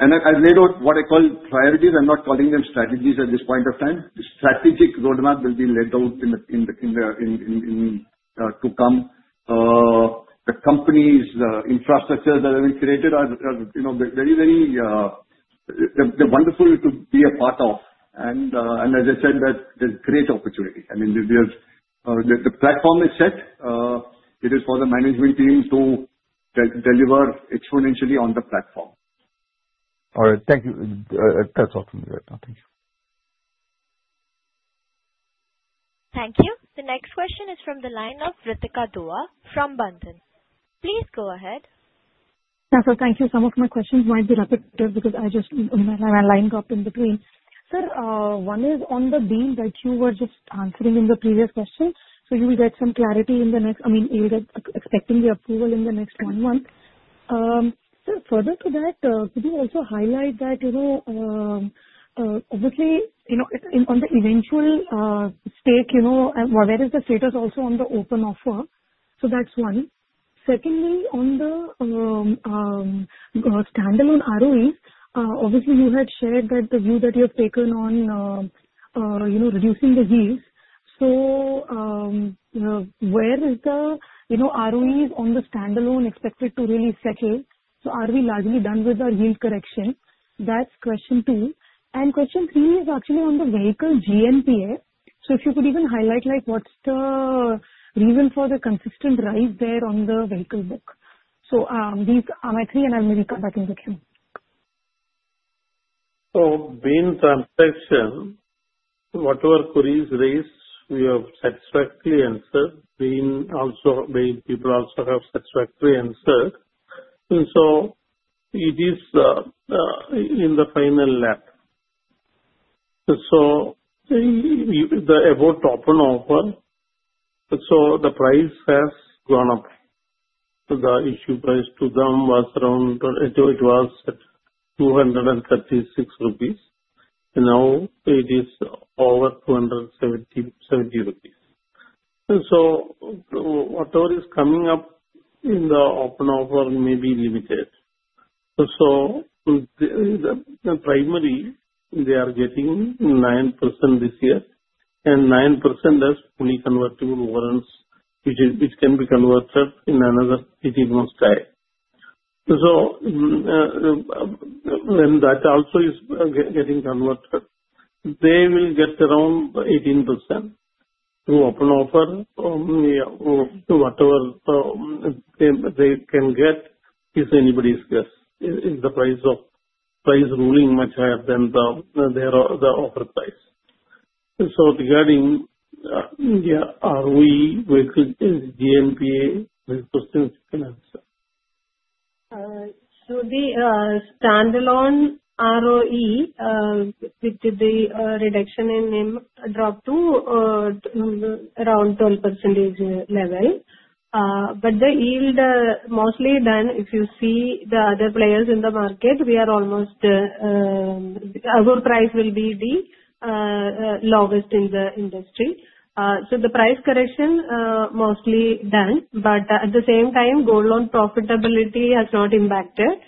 Speaker 4: and as laid out, what I call priorities. I'm not calling them strategies at this point of time. Strategic roadmap will be laid out to come. The companies, the infrastructures that have been created are very, very wonderful to be a part of, and as I said, there's great opportunity. I mean, the platform is set. It is for the management team to deliver exponentially on the platform.
Speaker 12: All right. Thank you. That's all from me. Thank you.
Speaker 1: Thank you. The next question is from the line of Ritika Dua from Bandhan. Please go ahead.
Speaker 13: Yeah, sir, thank you. Some of my questions might be repetitive because my line dropped in between. Sir, one is on the deal that you were just answering in the previous question. So you will get some clarity in the next. I mean, you'll get expecting the approval in the next one month. Sir, further to that, could you also highlight that obviously on the eventual stake, where is the status also on the open offer? So that's one. Secondly, on the standalone ROE, obviously you had shared that the view that you have taken on reducing the yields. So where is the ROE on the standalone expected to really settle? So are we largely done with our yield correction? That's question two. And question three is actually on the vehicle GNPA. So if you could even highlight what's the reason for the consistent rise there on the vehicle book. So these are my three, and I'll maybe come back and get you.
Speaker 3: So, main transaction, whatever queries raised, we have satisfactory answers. People also have satisfactory answers. And so it is in the final lap. So about open offer, so the price has gone up. The issue price to them was around; it was 236 rupees. Now it is over 270. So whatever is coming up in the open offer may be limited. So the primary, they are getting 9% this year. And 9% as fully convertible warrants, which can be converted in another 18 months' time. So when that also is getting converted, they will get around 18% through open offer to whatever they can get if anybody asks if the price ruling much higher than the offer price. So regarding the ROE, GNPA, this question can answer.
Speaker 5: So, the standalone ROE, with the reduction in drop to around 12% level. But the yield, mostly. Then if you see the other players in the market, we are almost our price will be the lowest in the industry. So the price correction mostly done. But at the same time, gold loan profitability has not impacted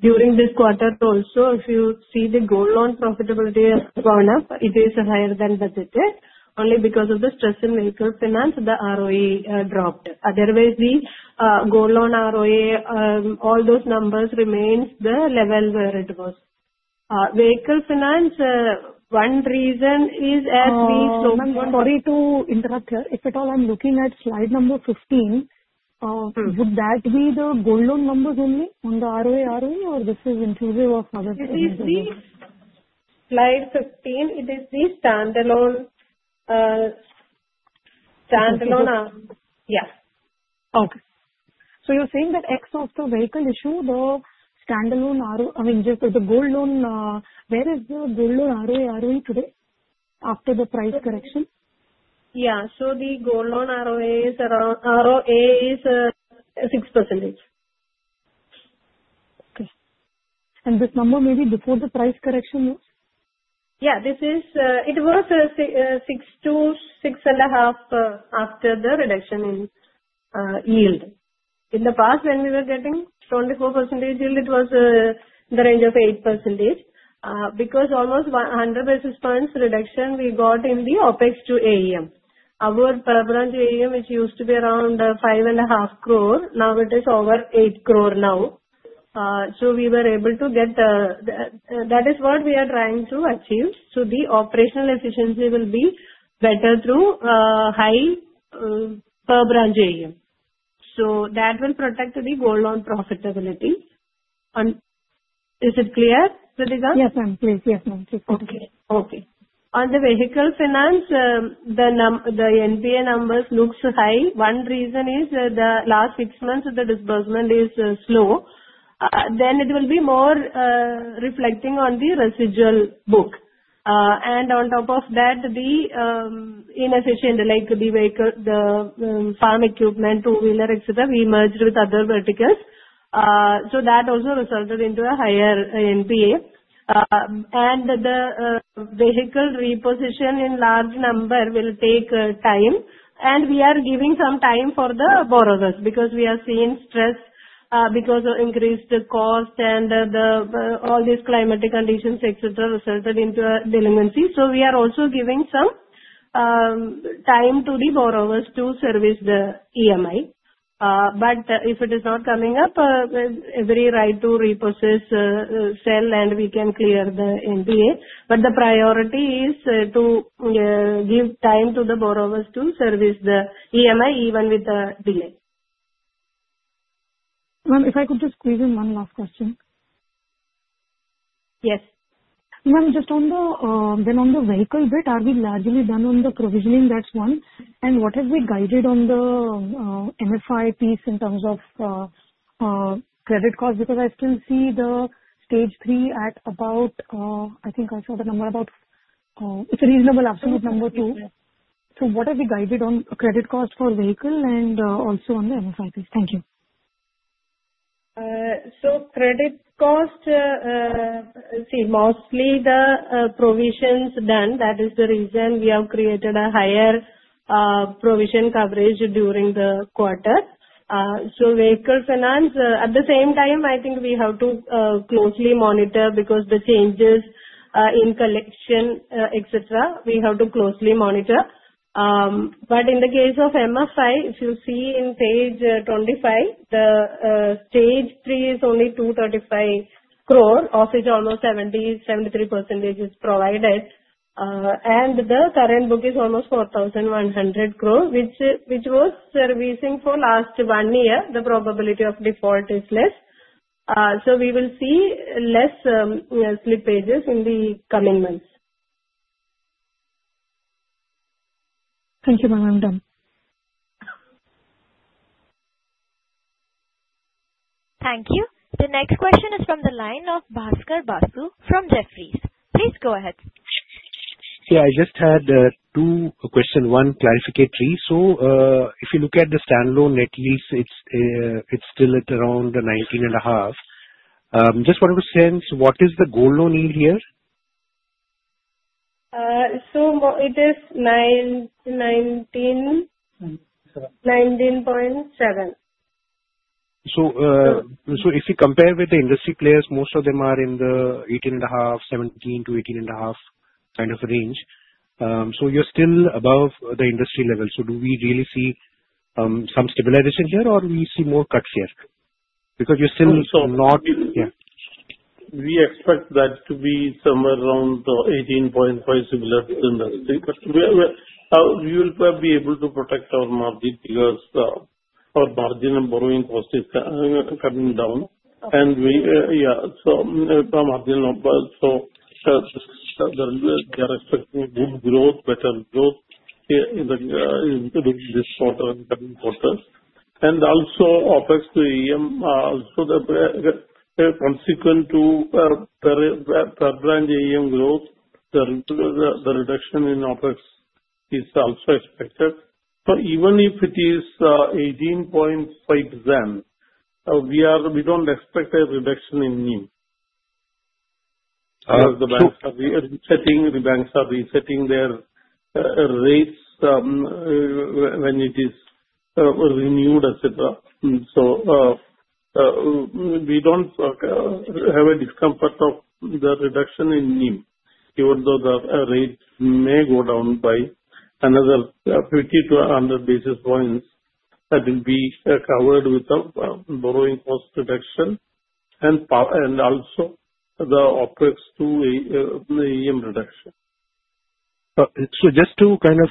Speaker 5: during this quarter also. If you see the gold loan profitability has gone up, it is higher than budgeted. Only because of the stress in vehicle finance, the ROE dropped. Otherwise, the gold loan ROA, all those numbers remain the level where it was. vehicle finance, one reason is as we slowly.
Speaker 13: Sorry to interrupt here. If at all, I'm looking at slide number 15. Would that be the gold loan numbers only on the ROA, ROE or this is inclusive of other?
Speaker 5: It is the slide 15. It is the standalone ROE. Yeah.
Speaker 13: Okay. So you're saying that X of the vehicle issue, the standalone ROE, I mean, just the gold loan, where is the gold loan ROA, ROE today after the price correction?
Speaker 5: Yeah. So the gold loan ROA is around ROA is 6%.
Speaker 13: Okay. And this number may be before the price correction was?
Speaker 5: Yeah. It was 6%-6.5% after the reduction in yield. In the past, when we were getting 24% yield, it was in the range of 8% because almost 100 basis points reduction we got in the OpEx to AUM. Our per branch AUM, which used to be around 5.5 crore, now it is over 8 crore now. So we were able to get that is what we are trying to achieve. So the operational efficiency will be better through high per branch AUM. So that will protect the gold loan profitability. Is it clear, Ritika?
Speaker 13: Yes, ma'am. Please. Yes, ma'am. Okay.
Speaker 5: Okay. On the vehicle finance, the NPA numbers look high. One reason is the last six months, the disbursement is slow. Then it will be more reflecting on the residual book. And on top of that, the inefficient like the farm equipment, two-wheeler, etc., we merged with other verticals. So that also resulted into a higher NPA. And the vehicle repossession in large number will take time. And we are giving some time for the borrowers because we are seeing stress because of increased cost and all these climatic conditions, etc., resulted into a delinquency. So we are also giving some time to the borrowers to service the EMI. But if it is not coming up, every right to repossess, sell, and we can clear the NPA. But the priority is to give time to the borrowers to service the EMI even with a delay.
Speaker 13: Ma'am, if I could just squeeze in one last question.
Speaker 5: Yes.
Speaker 13: Ma'am, just on the then on the vehicle bit, are we largely done on the provisioning? That's one. And what have we guided on the MFI piece in terms of credit cost? Because I still see the Stage 3 at about I think I saw the number about it's a reasonable absolute number too. So what have we guided on credit cost for vehicle and also on the MFI piece? Thank you.
Speaker 5: So credit cost, see, mostly the provisions done. That is the reason we have created a higher provision coverage during the quarter. So vehicle finance, at the same time, I think we have to closely monitor because the changes in collection, etc., we have to closely monitor. But in the case of MFI, if you see on page 25, the stage three is only 235 crore. Of which almost 70%-73% is provided. And the current book is almost 4,100 crore, which was servicing for last one year. The probability of default is less. So we will see less slippages in the coming months. Thank you, ma'am. I'm done.
Speaker 1: Thank you. The next question is from the line of Bhaskar Basu from Jefferies. Please go ahead.
Speaker 14: Yeah. I just had two questions. One, clarificatory. So if you look at the standalone net yield, it's still at around 19.5%. Just wanted to sense, what is the gold loan yield here?
Speaker 5: So it is 19.7%.
Speaker 14: So if you compare with the industry players, most of them are in the 18.5%, 17%-18.5% kind of range. So you're still above the industry level. So do we really see some stabilization here or do we see more cuts here? Because you're still not.
Speaker 3: We expect that to be somewhere around 18.5% similar to industry, but we will be able to protect our margin because our margin and borrowing cost is coming down. And yeah, so our margin number, so they are expecting good growth, better growth in this quarter and coming quarters, and also OpEx to AUM, also consequent to per branch AUM growth, the reduction in OpEx is also expected, but even if it is 18.5%, we don't expect a reduction in NIM. The banks are resetting their rates when it is renewed, etc., so we don't have a discomfort of the reduction in NIM. Even though the rate may go down by another 50 to 100 basis points, that will be covered with borrowing cost reduction and also the OpEx to AUM reduction.
Speaker 14: So just to kind of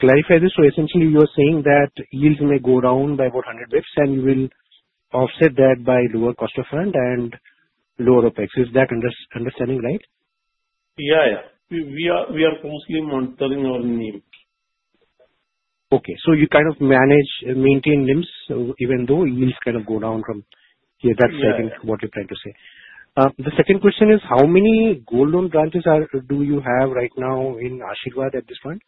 Speaker 14: clarify this, so essentially you are saying that yields may go down by about 100 basis points and you will offset that by lower cost of funds and lower OpEx. Is my understanding right?
Speaker 3: Yeah, yeah. We are mostly monitoring our NIM.
Speaker 14: Okay. So you kind of maintain NIMs even though yields kind of go down from here. That's, I think, what you're trying to say. The second question is, how many gold loan branches do you have right now in Asirvad at this point?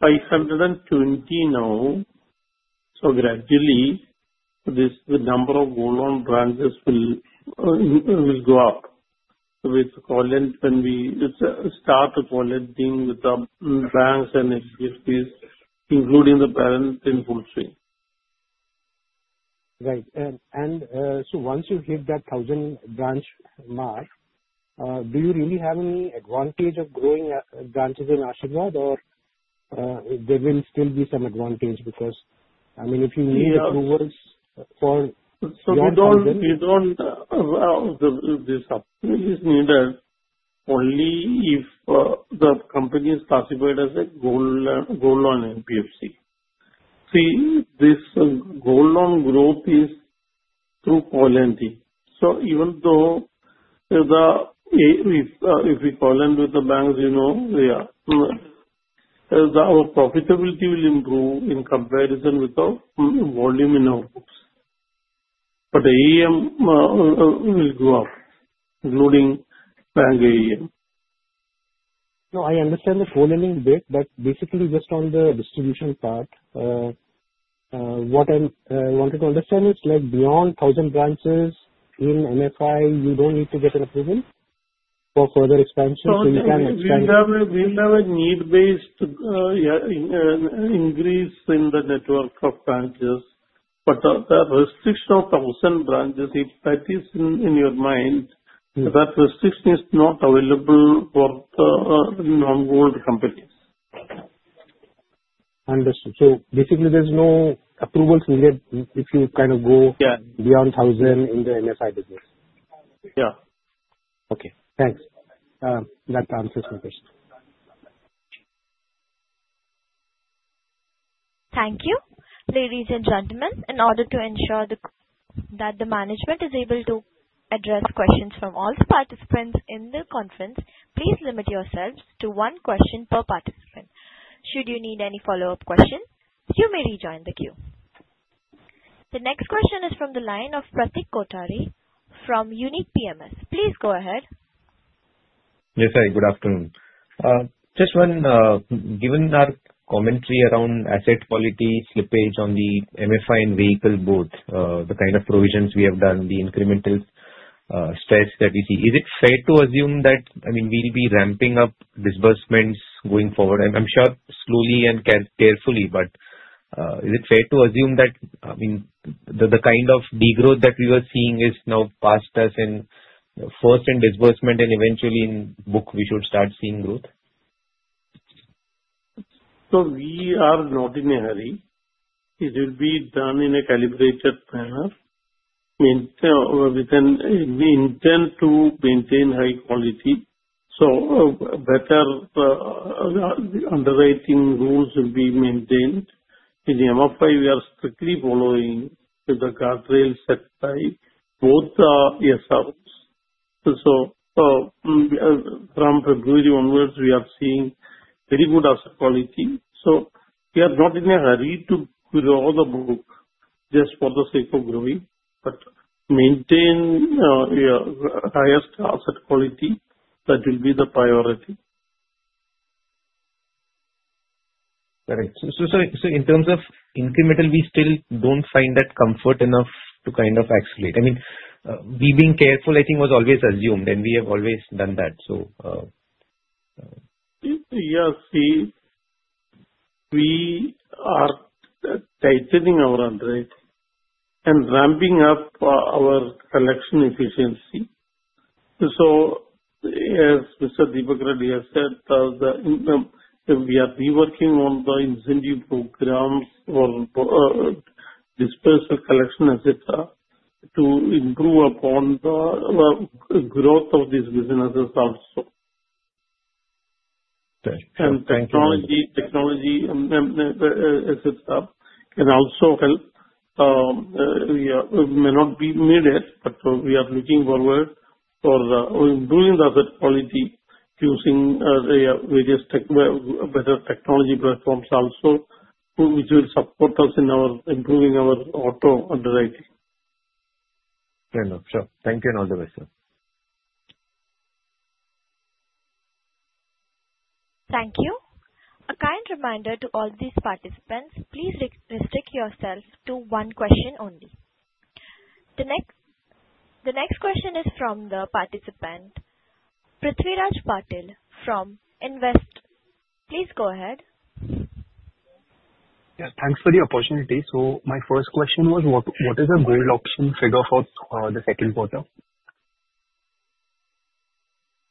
Speaker 3: 520 now. So gradually, the number of gold loan branches will go up. When we start to co-lend with the banks and NBFCs, including the partnerships in full swing.
Speaker 14: Right. And so once you hit that 1,000 branch mark, do you really have any advantage of growing branches in Asirvad or there will still be some advantage because, I mean, if you need approvals for?
Speaker 3: So we don't need it only if the company is classified as a gold loan NBFC. See, this gold loan growth is through co-lending. So even though if we co-lend with the banks, our profitability will improve in comparison with our volume in outputs. But AUM will go up, including bank AUM.
Speaker 14: No, I understand the co-lending bit, but basically just on the distribution part, what I wanted to understand is beyond 1,000 branches in MFI, you don't need to get an approval for further expansion. So you can expand.
Speaker 3: We'll have a need-based increase in the network of branches. But the restriction of 1,000 branches, if that is in your mind, that restriction is not available for non-gold companies.
Speaker 14: Understood. So basically, there's no approvals needed if you kind of go beyond 1,000 in the MFI business.
Speaker 3: Yeah.
Speaker 14: Okay. Thanks. That answers my question.
Speaker 1: Thank you. Ladies and gentlemen, in order to ensure that the management is able to address questions from all the participants in the conference, please limit yourselves to one question per participant. Should you need any follow-up question, you may rejoin the queue. The next question is from the line of Pratik Kothari from Unique PMS. Please go ahead.
Speaker 15: Yes, hi. Good afternoon. Just given our commentary around asset quality slippage on the MFI and vehicle book, the kind of provisions we have done, the incremental stress that we see, is it fair to assume that, I mean, we'll be ramping up disbursements going forward? I'm sure slowly and carefully, but is it fair to assume that, I mean, the kind of degrowth that we were seeing is now past us in disbursements first and eventually in book, we should start seeing growth?
Speaker 3: So we are not in a hurry. It will be done in a calibrated manner with an intent to maintain high quality. So better underwriting rules will be maintained. In the MFI, we are strictly following the guardrails set by both the SROs. So from February onwards, we are seeing very good asset quality. So we are not in a hurry to grow the book just for the sake of growing, but maintain highest asset quality. That will be the priority.
Speaker 15: Correct. So in terms of incremental, we still don't find that comfort enough to kind of accelerate. I mean, we being careful, I think, was always assumed, and we have always done that, so.
Speaker 3: Yes. See, we are tightening our underwriting and ramping up our collection efficiency. So as Mr. Deepak Reddy has said, we are reworking on the incentive programs for disbursal collection, etc., to improve upon the growth of these businesses also.
Speaker 15: Thank you.
Speaker 3: And technology, etc., can also help. We may not have made it, but we are looking forward to improving the asset quality using various better technology platforms also, which will support us in improving our auto underwriting.
Speaker 15: Fair enough. Sure. Thank you in all the ways, sir.
Speaker 1: Thank you. A kind reminder to all these participants, please restrict yourself to one question only. The next question is from the participant, Prithviraj Patil from Investec. Please go ahead.
Speaker 16: Yes. Thanks for the opportunity. So my first question was, what is the gold loan figure for the second quarter?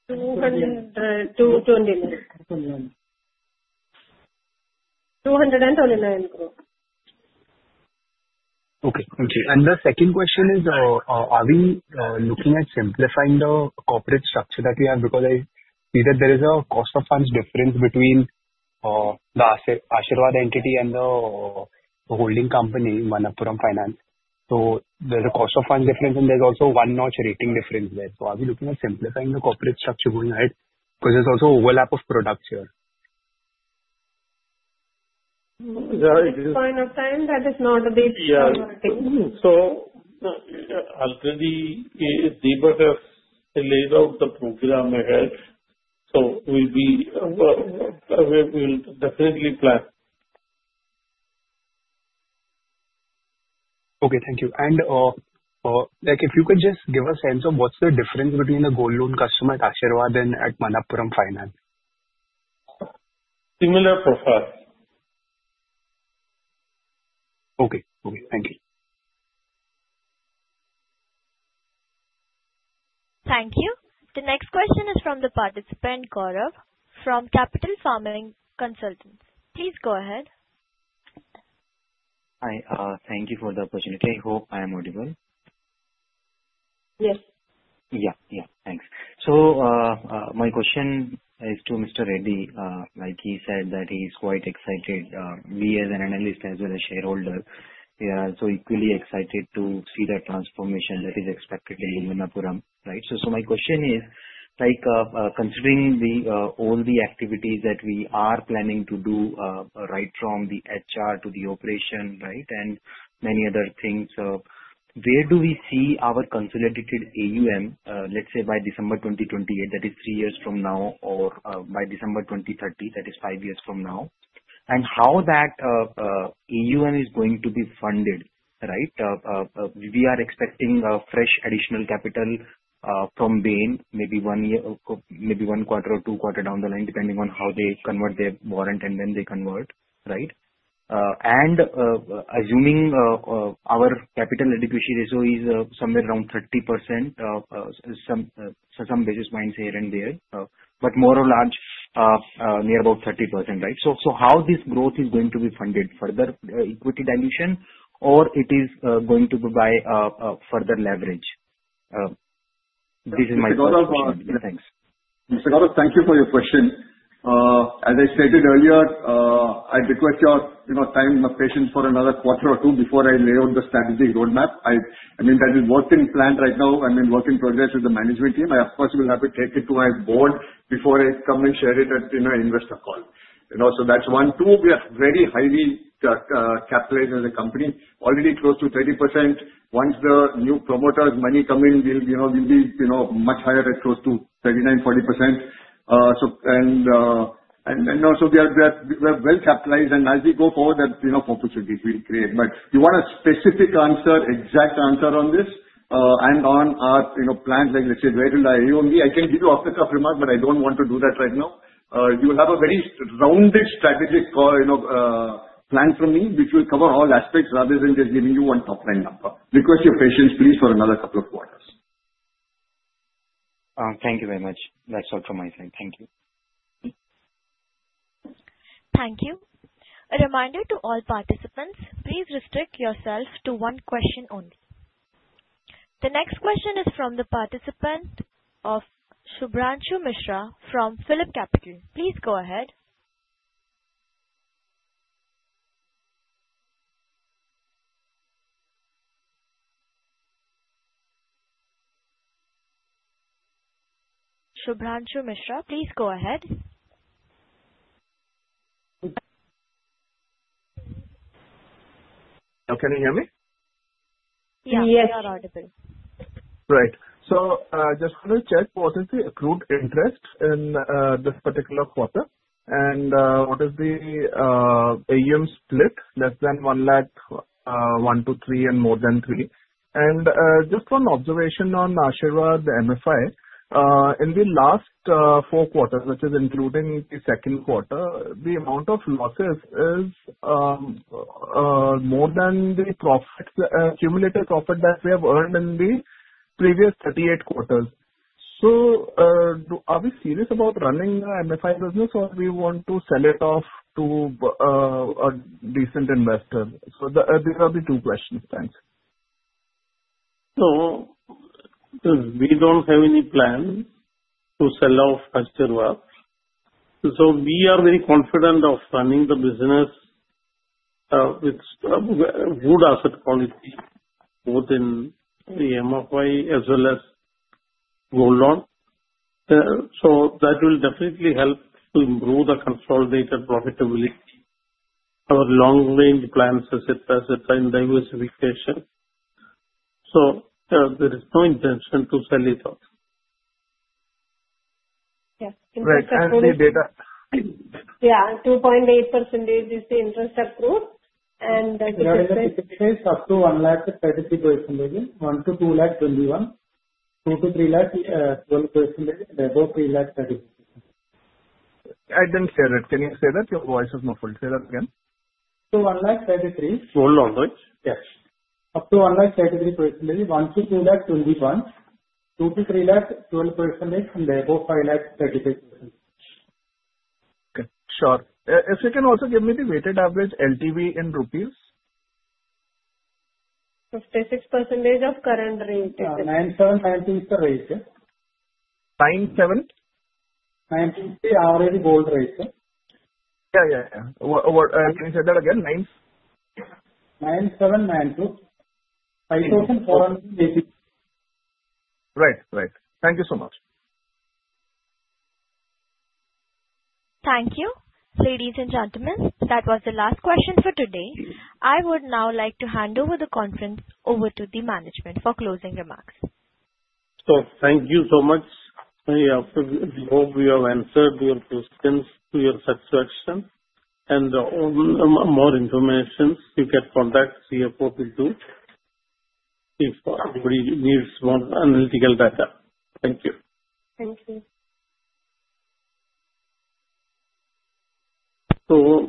Speaker 5: 229. 229.
Speaker 16: Okay. And the second question is, are we looking at simplifying the corporate structure that we have? Because I see that there is a cost of funds difference between the Asirvad entity and the holding company, Manappuram Finance. So there's a cost of funds difference, and there's also one-notch rating difference there. So are we looking at simplifying the corporate structure going ahead? Because there's also overlap of products here.
Speaker 5: Point of time, that is not a big priority.
Speaker 3: So already, Deepak has laid out the program ahead. So we will definitely plan.
Speaker 16: Okay. Thank you. And if you could just give a sense of what's the difference between the gold loan customer at Asirvad and at Manappuram Finance?
Speaker 3: Similar profile.
Speaker 16: Okay. Okay. Thank you.
Speaker 1: Thank you. The next question is from the participant, Gaurav, from Capital Funding Consultants. Please go ahead.
Speaker 17: Hi. Thank you for the opportunity. I hope I am audible.
Speaker 5: Yes.
Speaker 17: Yeah. Yeah. Thanks. So my question is to Mr. Reddy. He said that he's quite excited. We as an analyst, as well as shareholder, we are also equally excited to see the transformation that is expected in Manappuram, right? So my question is, considering all the activities that we are planning to do right from the HR to the operation, right, and many other things, where do we see our consolidated AUM, let's say by December 2028, that is three years from now, or by December 2030, that is five years from now? And how that AUM is going to be funded, right? We are expecting fresh additional capital from Bain, maybe one quarter or two quarters down the line, depending on how they convert their warrant and when they convert, right? Assuming our capital adequacy ratio is somewhere around 30%, some basis points here and there, but more or less near about 30%, right? So how this growth is going to be funded? Further equity dilution, or it is going to be by further leverage? This is my question.
Speaker 4: Mr. Gaurav, thank you for your question. As I stated earlier, I request your time and patience for another quarter or two before I lay out the strategy roadmap. I mean, that is work in plan right now. I'm in work in progress with the management team. I, of course, will have to take it to my board before I come and share it in an investor call. So that's one. Two, we are very highly capitalized as a company. Already close to 30%. Once the new promoters' money come in, we'll be much higher at close to 39%-40%. And so we are well capitalized, and as we go forward, that's enough opportunity we'll create. But you want a specific answer, exact answer on this and on our plans, like let's say where will I aim. I can give you off-the-cuff remarks, but I don't want to do that right now. You will have a very rounded strategic plan from me, which will cover all aspects rather than just giving you one top-line number. Request your patience, please, for another couple of quarters.
Speaker 17: Thank you very much. That's all from my side. Thank you.
Speaker 1: Thank you. A reminder to all participants, please restrict yourself to one question only. The next question is from the participant of Shubhranshu Mishra from PhillipCapital. Please go ahead. Shubhranshu Mishra, please go ahead.
Speaker 18: Can you hear me?
Speaker 5: Yes. You are audible.
Speaker 18: Right. So I just want to check what is the accrued interest in this particular quarter, and what is the AUM split less than 1 lakh, one, two, three, and more than three? And just one observation on Asirvad MFI. In the last four quarters, which is including the second quarter, the amount of losses is more than the cumulative profit that we have earned in the previous 38 quarters. So are we serious about running the MFI business, or do we want to sell it off to a decent investor? So these are the two questions. Thanks.
Speaker 3: So we don't have any plan to sell off Asirvad. So we are very confident of running the business with good asset quality, both in the MFI as well as gold loan. So that will definitely help to improve the consolidated profitability, our long-range plans, etc., etc., and diversification. There is no intention to sell it off.
Speaker 5: Yes.
Speaker 18: Right. And the data.
Speaker 5: Yeah. 2.8% is the interest accrued, and that's it.
Speaker 4: We are at the pace up to 133%, 1 to 221, 2 to 312%, and above 333%.
Speaker 18: I didn't hear it. Can you say that? Your voice is muffled. Say that again.
Speaker 4: Up to 133.
Speaker 3: gold loan, right?
Speaker 4: Yes. Up to 133%, 1 to 221, 2 to 312%, and above 533%.
Speaker 18: Okay. Sure. If you can also give me the weighted average LTV in rupees.
Speaker 5: 56% of current rate.
Speaker 4: Yeah. 9792 is the rate.
Speaker 18: 97?
Speaker 4: 950 is the already gold rate.
Speaker 18: Yeah, yeah, yeah. Can you say that again?
Speaker 4: 9792. 5482.
Speaker 18: Right, right. Thank you so much.
Speaker 1: Thank you. Ladies and gentlemen, that was the last question for today. I would now like to hand over the conference to the management for closing remarks.
Speaker 3: Thank you so much. We hope we have answered your questions to your satisfaction. For more information, you can contact CFO too if anybody needs more analytical data. Thank you.
Speaker 5: Thank you.
Speaker 3: So.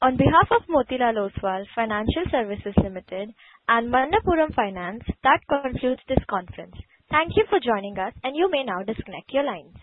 Speaker 1: On behalf of Motilal Oswal Financial Services Limited and Manappuram Finance, that concludes this conference. Thank you for joining us, and you may now disconnect your lines.